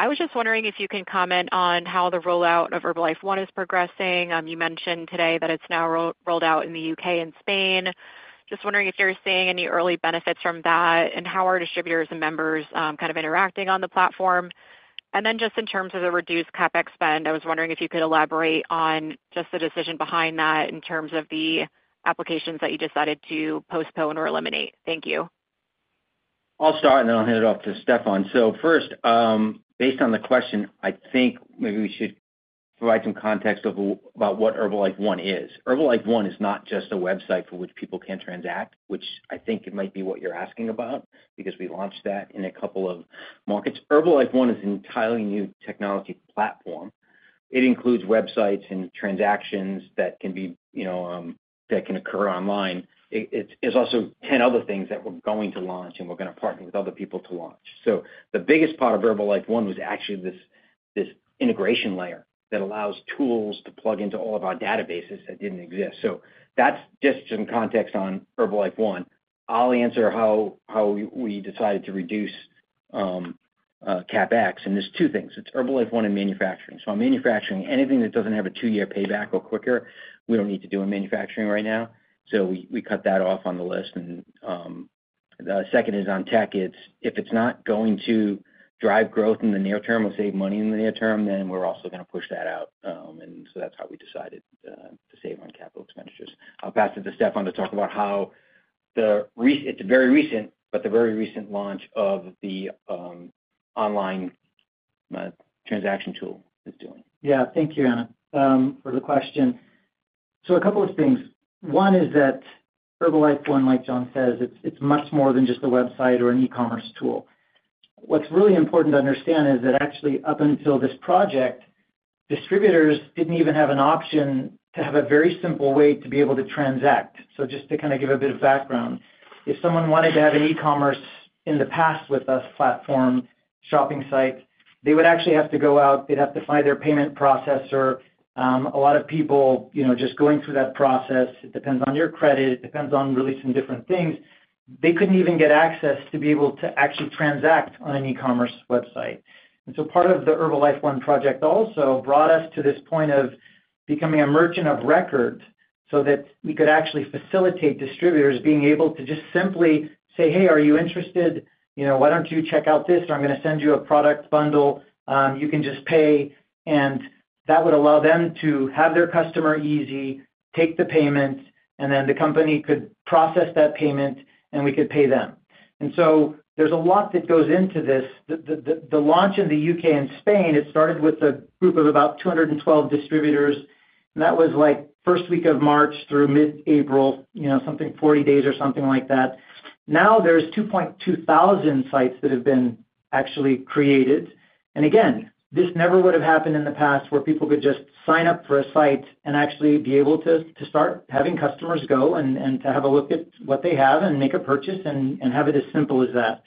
Speaker 9: I was just wondering if you can comment on how the rollout of Herbalife One is progressing. You mentioned today that it's now rolled out in the U.K. and Spain. Just wondering if you're seeing any early benefits from that, and how are distributors and members kind of interacting on the platform. And then just in terms of the reduced CapEx spend, I was wondering if you could elaborate on just the decision behind that in terms of the applications that you decided to postpone or eliminate. Thank you.
Speaker 5: I'll start, and then I'll hand it off to Stephan. So first, based on the question, I think maybe we should provide some context about what Herbalife One is. Herbalife One is not just a website for which people can transact, which I think it might be what you're asking about because we launched that in a couple of markets. Herbalife One is an entirely new technology platform. It includes websites and transactions that can occur online. There's also 10 other things that we're going to launch, and we're going to partner with other people to launch. So the biggest part of Herbalife One was actually this integration layer that allows tools to plug into all of our databases that didn't exist. So that's just some context on Herbalife One. I'll answer how we decided to reduce CapEx. And there's two things. It's Herbalife One and manufacturing. So on manufacturing, anything that doesn't have a two-year payback or quicker, we don't need to do in manufacturing right now. So we cut that off on the list. And the second is on tech. If it's not going to drive growth in the near term or save money in the near term, then we're also going to push that out. And so that's how we decided to save on capital expenditures. I'll pass it to Stephan to talk about how it's very recent, but the very recent launch of the online transaction tool is doing.
Speaker 4: Yeah. Thank you, Anna, for the question. So a couple of things. One is that Herbalife One, like John says, it's much more than just a website or an e-commerce tool. What's really important to understand is that actually, up until this project, distributors didn't even have an option to have a very simple way to be able to transact. So just to kind of give a bit of background, if someone wanted to have an e-commerce in the past with us platform, shopping site, they would actually have to go out. They'd have to find their payment processor. A lot of people just going through that process, it depends on your credit, it depends on really some different things, they couldn't even get access to be able to actually transact on an e-commerce website. And so part of the Herbalife One project also brought us to this point of becoming a merchant of record so that we could actually facilitate distributors being able to just simply say, "Hey, are you interested? Why don't you check out this? I'm going to send you a product bundle. You can just pay." And that would allow them to have their customer easy, take the payment, and then the company could process that payment, and we could pay them. And so there's a lot that goes into this. The launch in the U.K. and Spain, it started with a group of about 212 distributors, and that was first week of March through mid-April, something 40 days or something like that. Now, there's 2,200 sites that have been actually created. And again, this never would have happened in the past where people could just sign up for a site and actually be able to start having customers go and to have a look at what they have and make a purchase and have it as simple as that.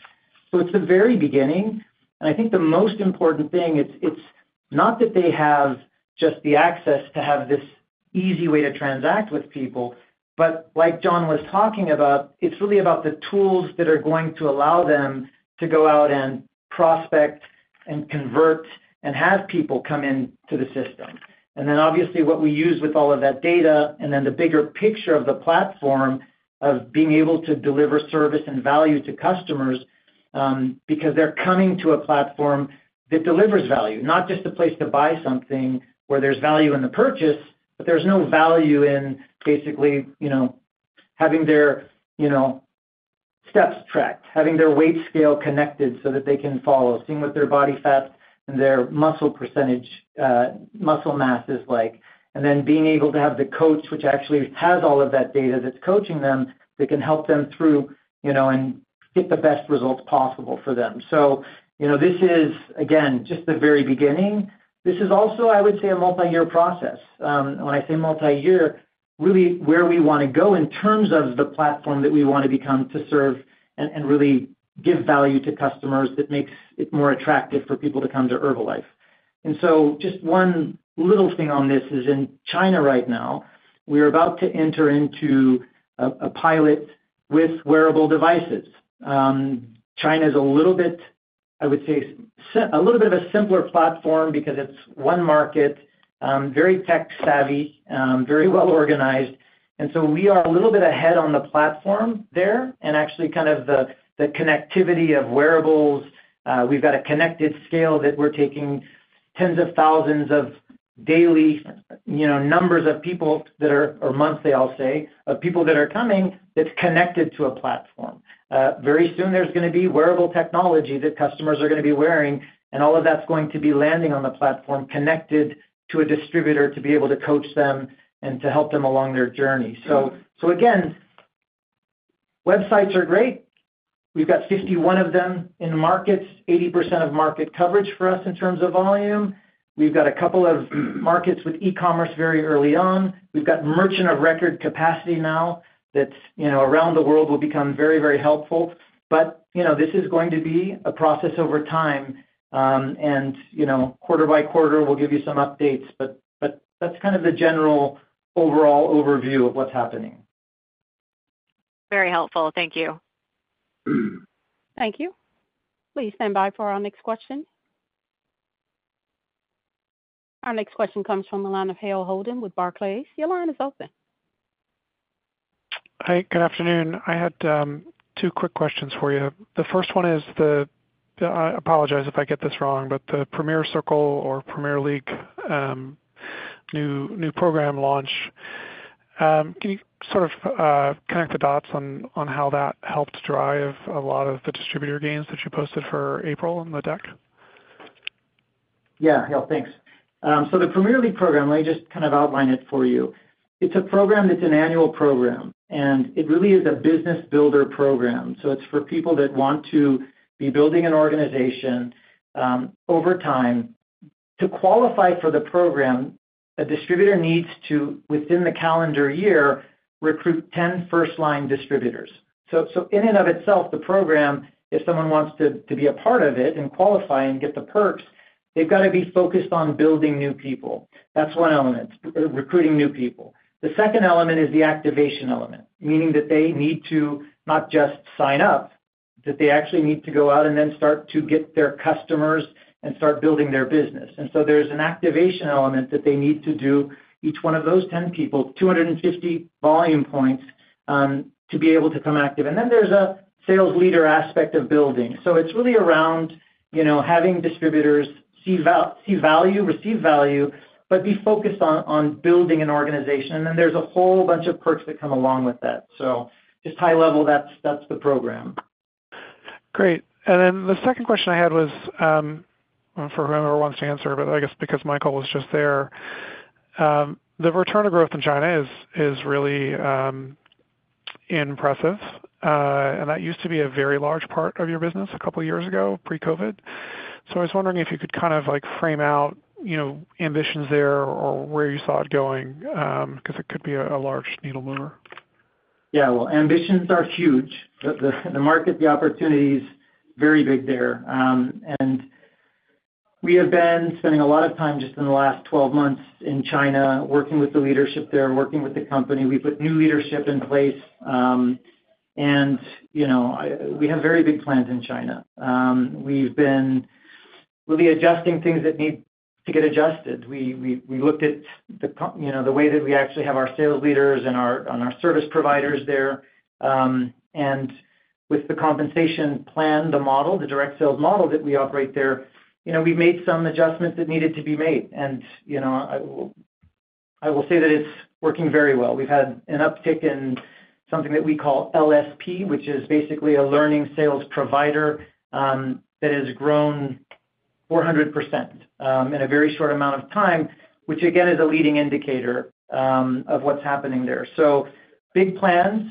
Speaker 4: So it's the very beginning. And I think the most important thing, it's not that they have just the access to have this easy way to transact with people, but like John was talking about, it's really about the tools that are going to allow them to go out and prospect and convert and have people come into the system. And then obviously, what we use with all of that data and then the bigger picture of the platform of being able to deliver service and value to customers because they're coming to a platform that delivers value, not just a place to buy something where there's value in the purchase, but there's no value in basically having their steps tracked, having their weight scale connected so that they can follow, seeing what their body fat and their muscle percentage, muscle mass is like, and then being able to have the coach, which actually has all of that data that's coaching them, that can help them through and get the best results possible for them. So this is, again, just the very beginning. This is also, I would say, a multiyear process. When I say multiyear, really where we want to go in terms of the platform that we want to become to serve and really give value to customers that makes it more attractive for people to come to Herbalife. So just one little thing on this is in China right now, we're about to enter into a pilot with wearable devices. China is a little bit, I would say, a little bit of a simpler platform because it's one market, very tech-savvy, very well-organized. So we are a little bit ahead on the platform there and actually kind of the connectivity of wearables. We've got a connected scale that we're taking tens of thousands of daily numbers of people that are or months, they all say, of people that are coming that's connected to a platform. Very soon, there's going to be wearable technology that customers are going to be wearing, and all of that's going to be landing on the platform connected to a distributor to be able to coach them and to help them along their journey. So again, websites are great. We've got 51 of them in markets, 80% of market coverage for us in terms of volume. We've got a couple of markets with e-commerce very early on. We've got merchant of record capacity now that around the world will become very, very helpful. But this is going to be a process over time, and quarter by quarter, we'll give you some updates. But that's kind of the general overall overview of what's happening.
Speaker 9: Very helpful. Thank you.
Speaker 1: Thank you. Will you stand by for our next question? Our next question comes from the line of Hale Holden with Barclays. Your line is open.
Speaker 10: Hi, good afternoon. I had two quick questions for you. The first one is, I apologize if I get this wrong, but the Premier League new program launch. Can you sort of connect the dots on how that helped drive a lot of the distributor gains that you posted for April in the deck?
Speaker 4: Yeah. Yeah, thanks. So the Premier League program, let me just kind of outline it for you. It's a program that's an annual program, and it really is a business builder program. So it's for people that want to be building an organization over time. To qualify for the program, a distributor needs to, within the calendar year, recruit 10 first-line distributors. So in and of itself, the program, if someone wants to be a part of it and qualify and get the perks, they've got to be focused on building new people. That's one element, recruiting new people. The second element is the activation element, meaning that they need to not just sign up, that they actually need to go out and then start to get their customers and start building their business. And so there's an activation element that they need to do each one of those 10 people, 250 volume points, to be able to come active. And then there's a sales leader aspect of building. So it's really around having distributors see value, receive value, but be focused on building an organization. And then there's a whole bunch of perks that come along with that. So just high level, that's the program.
Speaker 5: Great. And then the second question I had was for whoever wants to answer, but I guess because Michael was just there, the return of growth in China is really impressive. And that used to be a very large part of your business a couple of years ago, pre-COVID. So I was wondering if you could kind of frame out ambitions there or where you saw it going because it could be a large needle mover.
Speaker 4: Yeah. Well, ambitions are huge. The market, the opportunity is very big there. And we have been spending a lot of time just in the last 12 months in China working with the leadership there, working with the company. We put new leadership in place, and we have very big plans in China. We've been really adjusting things that need to get adjusted. We looked at the way that we actually have our sales leaders and our service providers there. With the compensation plan, the model, the direct sales model that we operate there, we've made some adjustments that needed to be made. I will say that it's working very well. We've had an uptick in something that we call LSP, which is basically a Learning Sales Provider that has grown 400% in a very short amount of time, which again is a leading indicator of what's happening there. So big plans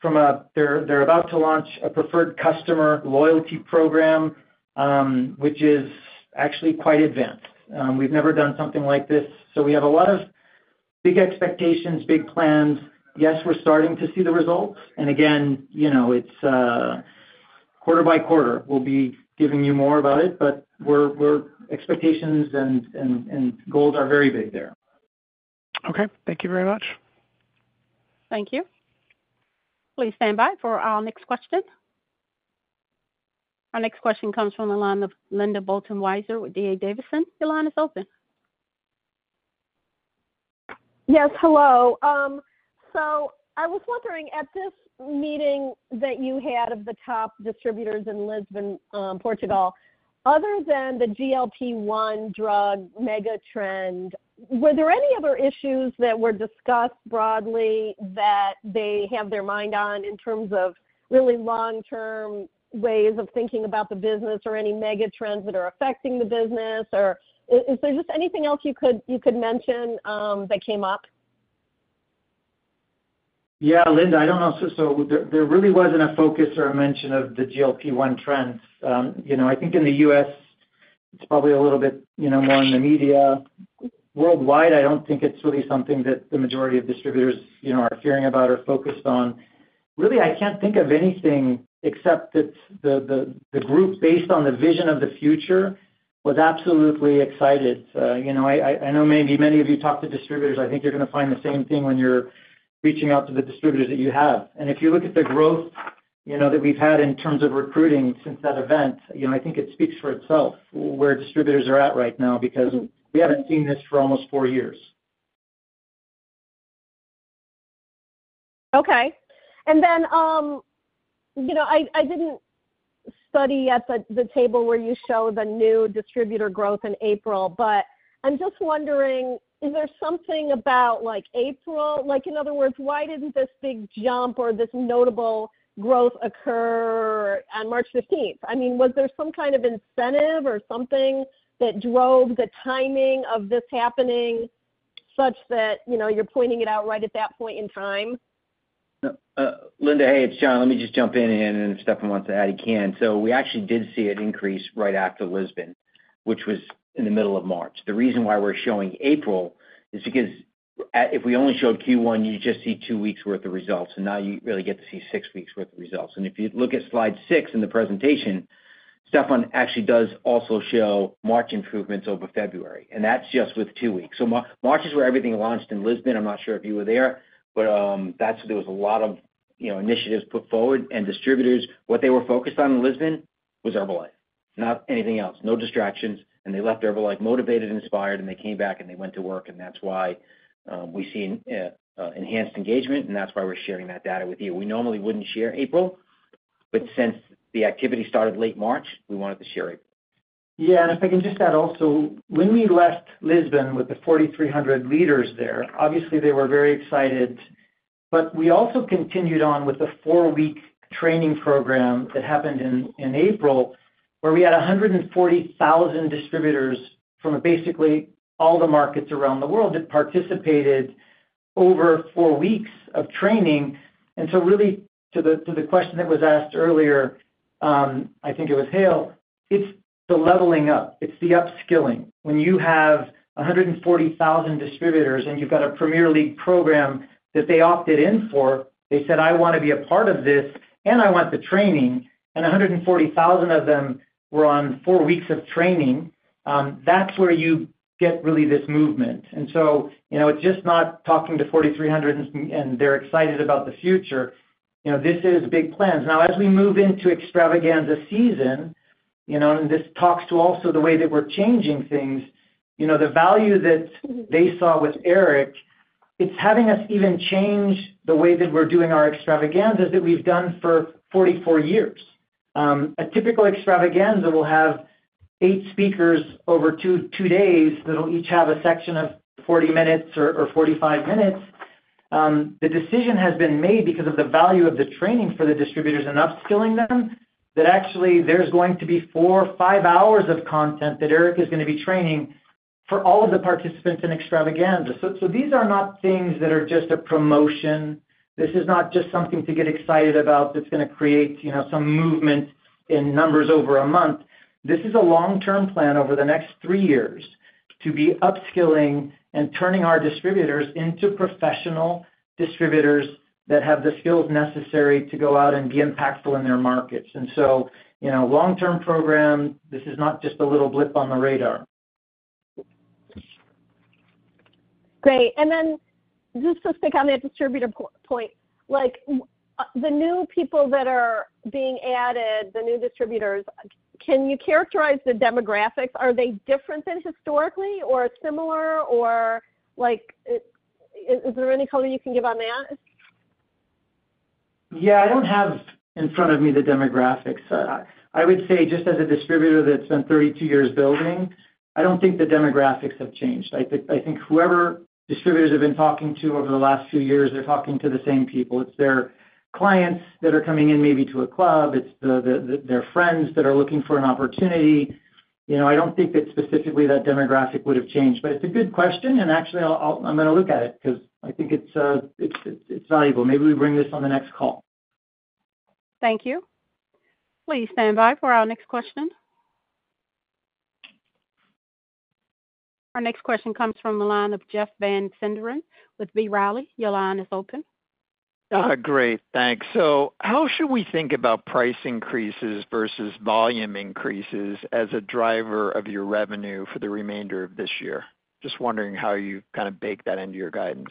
Speaker 4: from there, they're about to launch a preferred customer loyalty program, which is actually quite advanced. We've never done something like this. So we have a lot of big expectations, big plans. Yes, we're starting to see the results. Again, it's quarter by quarter. We'll be giving you more about it, but expectations and goals are very big there.
Speaker 10: Okay. Thank you very much.
Speaker 1: Thank you. Will you stand by for our next question? Our next question comes from the line of Linda Bolton Weiser with D.A. Davidson. Your line is open.
Speaker 11: Yes. Hello. So I was wondering, at this meeting that you had of the top distributors in Lisbon, Portugal, other than the GLP-1 drug mega trend, were there any other issues that were discussed broadly that they have their mind on in terms of really long-term ways of thinking about the business or any mega trends that are affecting the business? Or is there just anything else you could mention that came up?
Speaker 4: Yeah, Linda, I don't know. So there really wasn't a focus or a mention of the GLP-1 trends. I think in the U.S., it's probably a little bit more in the media. Worldwide, I don't think it's really something that the majority of distributors are fearing about or focused on. Really, I can't think of anything except that the group, based on the vision of the future, was absolutely excited. I know maybe many of you talk to distributors. I think you're going to find the same thing when you're reaching out to the distributors that you have. And if you look at the growth that we've had in terms of recruiting since that event, I think it speaks for itself where distributors are at right now because we haven't seen this for almost four years.
Speaker 11: Okay. And then I didn't study at the table where you show the new distributor growth in April, but I'm just wondering, is there something about April? In other words, why didn't this big jump or this notable growth occur on March 15th? I mean, was there some kind of incentive or something that drove the timing of this happening such that you're pointing it out right at that point in time?
Speaker 5: Linda, hey, it's John. Let me just jump in. If Stephan wants to add, he can. So we actually did see it increase right after Lisbon, which was in the middle of March. The reason why we're showing April is because if we only showed Q1, you'd just see two weeks' worth of results, and now you really get to see six weeks' worth of results. If you look at slide six in the presentation, Stephan actually does also show March improvements over February, and that's just with two weeks. So March is where everything launched in Lisbon. I'm not sure if you were there, but that's where there was a lot of initiatives put forward. And distributors, what they were focused on in Lisbon was Herbalife, not anything else, no distractions. And they left Herbalife motivated, inspired, and they came back, and they went to work. And that's why we see enhanced engagement, and that's why we're sharing that data with you. We normally wouldn't share April, but since the activity started late March, we wanted to share April.
Speaker 4: Yeah. And if I can just add also, when we left Lisbon with the 4,300 leaders there, obviously, they were very excited. But we also continued on with the four-week training program that happened in April where we had 140,000 distributors from basically all the markets around the world that participated over four weeks of training. And so really, to the question that was asked earlier, I think it was Hale, it's the leveling up. It's the upskilling. When you have 140,000 distributors and you've got a Premier League program that they opted in for, they said, "I want to be a part of this, and I want the training," and 140,000 of them were on four weeks of training, that's where you get really this movement. And so it's just not talking to 4,300, and they're excited about the future. This is big plans. Now, as we move into Extravaganza season, and this talks to also the way that we're changing things, the value that they saw with Eric, it's having us even change the way that we're doing our Extravaganza that we've done for 44 years. A typical Extravaganza will have eight speakers over two days that'll each have a section of 40 minutes or 45 minutes. The decision has been made because of the value of the training for the distributors and upskilling them that actually there's going to be 4-5 hours of content that Eric is going to be training for all of the participants in Extravaganza. So these are not things that are just a promotion. This is not just something to get excited about that's going to create some movement in numbers over a month. This is a long-term plan over the next three years to be upskilling and turning our distributors into professional distributors that have the skills necessary to go out and be impactful in their markets. And so long-term program, this is not just a little blip on the radar.
Speaker 11: Great. And then just to stick on that distributor point, the new people that are being added, the new distributors, can you characterize the demographics? Are they different than historically or similar? Or is there any color you can give on that?
Speaker 4: Yeah. I don't have in front of me the demographics. I would say just as a distributor that's been 32 years building, I don't think the demographics have changed. I think whoever distributors have been talking to over the last few years, they're talking to the same people. It's their clients that are coming in maybe to a club. It's their friends that are looking for an opportunity. I don't think that specifically that demographic would have changed. But it's a good question, and actually, I'm going to look at it because I think it's valuable. Maybe we bring this on the next call.
Speaker 1: Thank you. Will you stand by for our next question? Our next question comes from the line of Jeff Van Sinderen with B. Riley. Your line is open.
Speaker 12: Great. Thanks. So how should we think about price increases versus volume increases as a driver of your revenue for the remainder of this year? Just wondering how you kind of bake that into your guidance.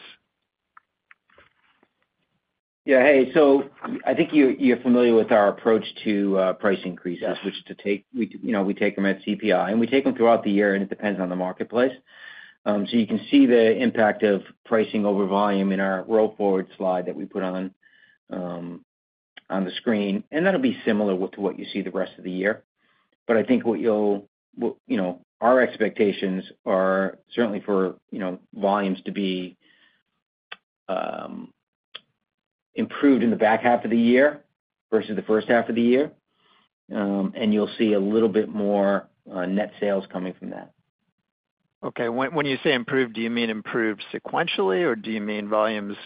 Speaker 5: Yeah. Hey. So I think you're familiar with our approach to price increases, which is to take we take them at CPI, and we take them throughout the year, and it depends on the marketplace. So you can see the impact of pricing over volume in our roll forward slide that we put on the screen. That'll be similar to what you see the rest of the year. But I think what you'll see, our expectations are certainly for volumes to be improved in the back half of the year versus the first half of the year, and you'll see a little bit more net sales coming from that.
Speaker 12: Okay. When you say improved, do you mean improved sequentially, or do you mean volumes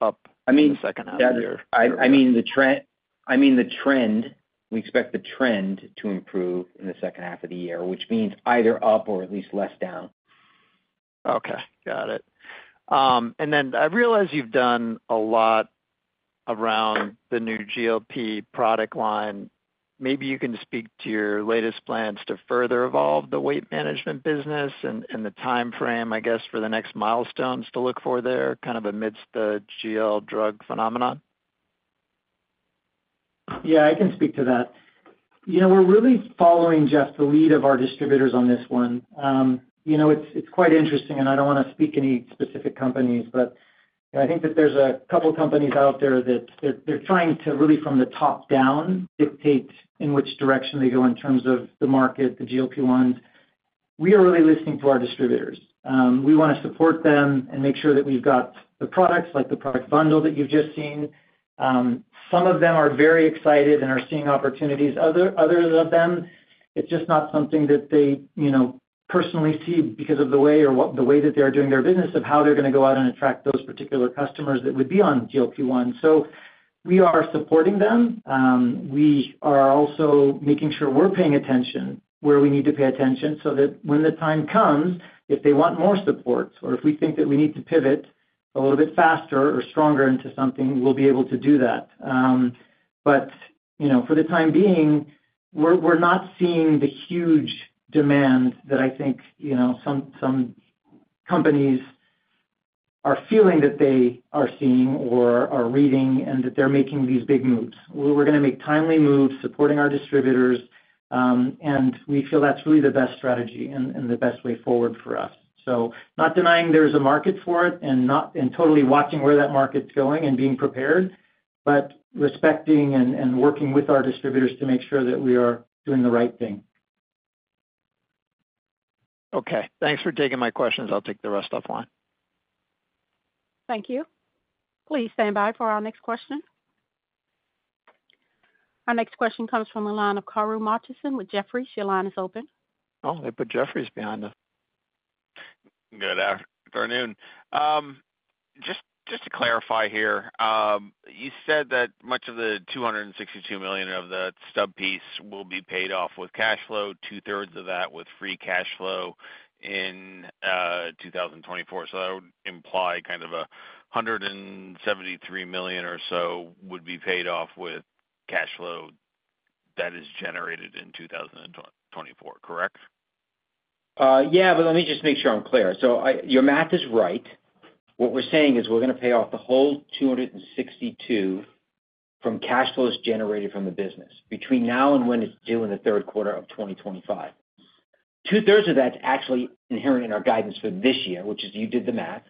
Speaker 12: up in the second half of the year?
Speaker 5: I mean the trend. I mean the trend. We expect the trend to improve in the second half of the year, which means either up or at least less down.
Speaker 12: Okay. Got it. And then I realize you've done a lot around the new GLP-1 product line. Maybe you can speak to your latest plans to further evolve the weight management business and the time frame, I guess, for the next milestones to look for there kind of amidst the GLP-1 drug phenomenon.
Speaker 4: Yeah. I can speak to that. We're really following just the lead of our distributors on this one. It's quite interesting, and I don't want to speak any specific companies, but I think that there's a couple of companies out there that they're trying to really from the top down dictate in which direction they go in terms of the market, the GLP-1s. We are really listening to our distributors. We want to support them and make sure that we've got the products like the product bundle that you've just seen. Some of them are very excited and are seeing opportunities. Others of them, it's just not something that they personally see because of the way that they are doing their business of how they're going to go out and attract those particular customers that would be on GLP-1s. So we are supporting them. We are also making sure we're paying attention where we need to pay attention so that when the time comes, if they want more supports or if we think that we need to pivot a little bit faster or stronger into something, we'll be able to do that. But for the time being, we're not seeing the huge demand that I think some companies are feeling that they are seeing or are reading and that they're making these big moves. We're going to make timely moves supporting our distributors, and we feel that's really the best strategy and the best way forward for us. So not denying there is a market for it and totally watching where that market's going and being prepared, but respecting and working with our distributors to make sure that we are doing the right thing.
Speaker 12: Okay. Thanks for taking my questions. I'll take the rest offline.
Speaker 1: Thank you. Will you stand by for our next question? Our next question comes from the line of Karru Martinson with Jefferies. Your line is open.
Speaker 13: Oh, they put Jefferies behind us. Good afternoon. Just to clarify here, you said that much of the $262 million of the stub piece will be paid off with cash flow, two-thirds of that with free cash flow in 2024. So that would imply kind of $173 million or so would be paid off with cash flow that is generated in 2024, correct?
Speaker 5: Yeah. But let me just make sure I'm clear. So your math is right. What we're saying is we're going to pay off the whole $262 million from cash flows generated from the business between now and when it's due in the third quarter of 2025. Two-thirds of that's actually inherent in our guidance for this year, which is you did the math.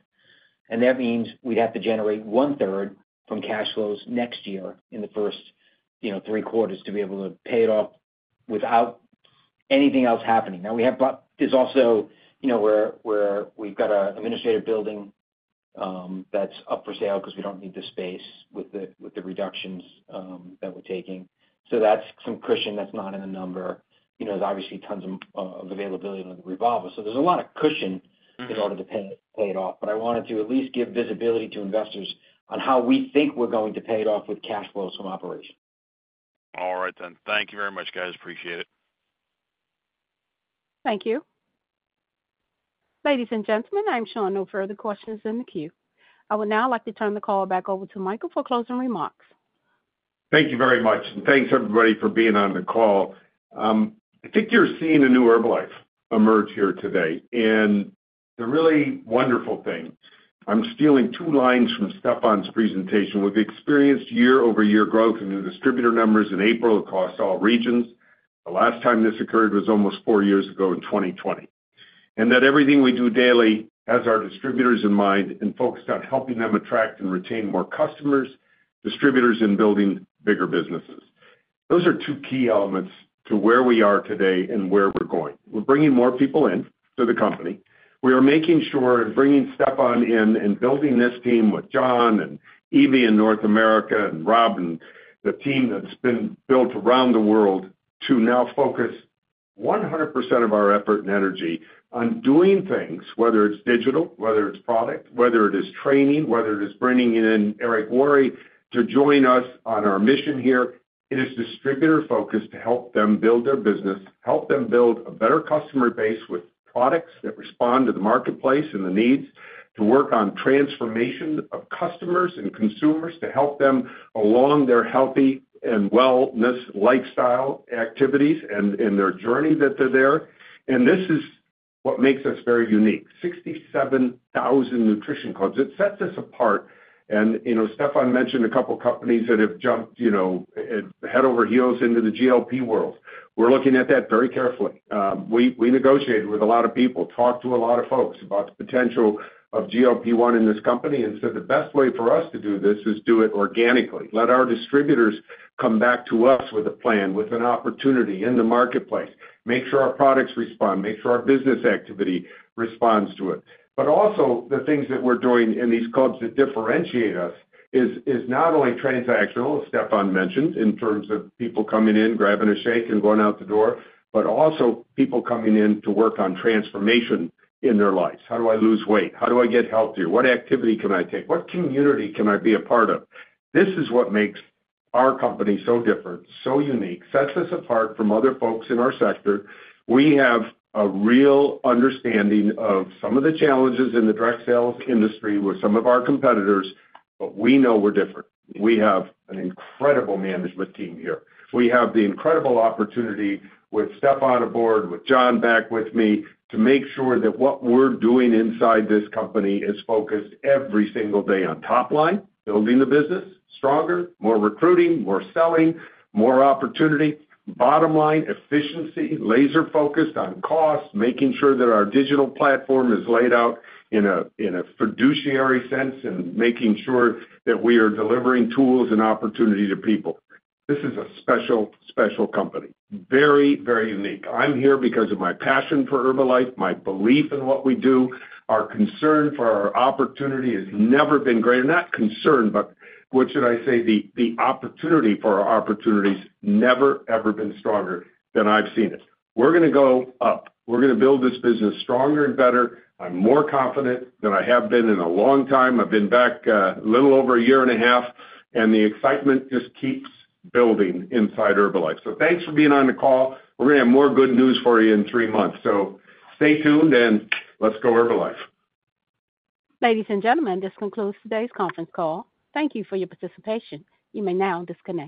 Speaker 5: That means we'd have to generate one-third from cash flows next year in the first three quarters to be able to pay it off without anything else happening. Now, there's also where we've got an administrative building that's up for sale because we don't need the space with the reductions that we're taking. So that's some cushion that's not in the number. There's obviously tons of availability under the revolver. So there's a lot of cushion in order to pay it off. But I wanted to at least give visibility to investors on how we think we're going to pay it off with cash flows from operations.
Speaker 13: All right then. Thank you very much, guys. Appreciate it.
Speaker 1: Thank you. Ladies and gentlemen, I'm Sean. No further questions in the queue. I would now like to turn the call back over to Michael for closing remarks.
Speaker 3: Thank you very much. Thanks, everybody, for being on the call. I think you're seeing a new Herbalife emerge here today. The really wonderful thing, I'm stealing two lines from Stephan's presentation. We've experienced year-over-year growth in the distributor numbers in April across all regions. The last time this occurred was almost four years ago in 2020. And that everything we do daily has our distributors in mind and focused on helping them attract and retain more customers, distributors, and building bigger businesses. Those are two key elements to where we are today and where we're going. We're bringing more people into the company. We are making sure and bringing Stephan in and building this team with John and Ibi in North America and Rob and the team that's been built around the world to now focus 100% of our effort and energy on doing things, whether it's digital, whether it's product, whether it is training, whether it is bringing in Eric Worre to join us on our mission here. It is distributor-focused to help them build their business, help them build a better customer base with products that respond to the marketplace and the needs, to work on transformation of customers and consumers to help them along their healthy and wellness lifestyle activities and in their journey that they're there. This is what makes us very unique, 67,000 nutrition clubs. It sets us apart. Stephan mentioned a couple of companies that have jumped head over heels into the GLP world. We're looking at that very carefully. We negotiated with a lot of people, talked to a lot of folks about the potential of GLP-1 in this company, and said the best way for us to do this is do it organically, let our distributors come back to us with a plan, with an opportunity in the marketplace, make sure our products respond, make sure our business activity responds to it. But also, the things that we're doing in these clubs that differentiate us is not only transactional, as Stephan mentioned, in terms of people coming in, grabbing a shake, and going out the door, but also people coming in to work on transformation in their lives. How do I lose weight? How do I get healthier? What activity can I take? What community can I be a part of? This is what makes our company so different, so unique, sets us apart from other folks in our sector. We have a real understanding of some of the challenges in the direct sales industry with some of our competitors, but we know we're different. We have an incredible management team here. We have the incredible opportunity with Stephan on board, with John back with me to make sure that what we're doing inside this company is focused every single day on top line, building the business stronger, more recruiting, more selling, more opportunity, bottom line, efficiency, laser-focused on cost, making sure that our digital platform is laid out in a fiduciary sense, and making sure that we are delivering tools and opportunity to people. This is a special, special company, very, very unique. I'm here because of my passion for Herbalife, my belief in what we do. Our concern for our opportunity has never been greater. Not concern, but what should I say? The opportunity for our opportunities has never, ever been stronger than I've seen it. We're going to go up. We're going to build this business stronger and better. I'm more confident than I have been in a long time. I've been back a little over a year and a half, and the excitement just keeps building inside Herbalife. So thanks for being on the call. We're going to have more good news for you in three months. So stay tuned, and let's go Herbalife.
Speaker 1: Ladies and gentlemen, this concludes today's conference call. Thank you for your participation. You may now disconnect.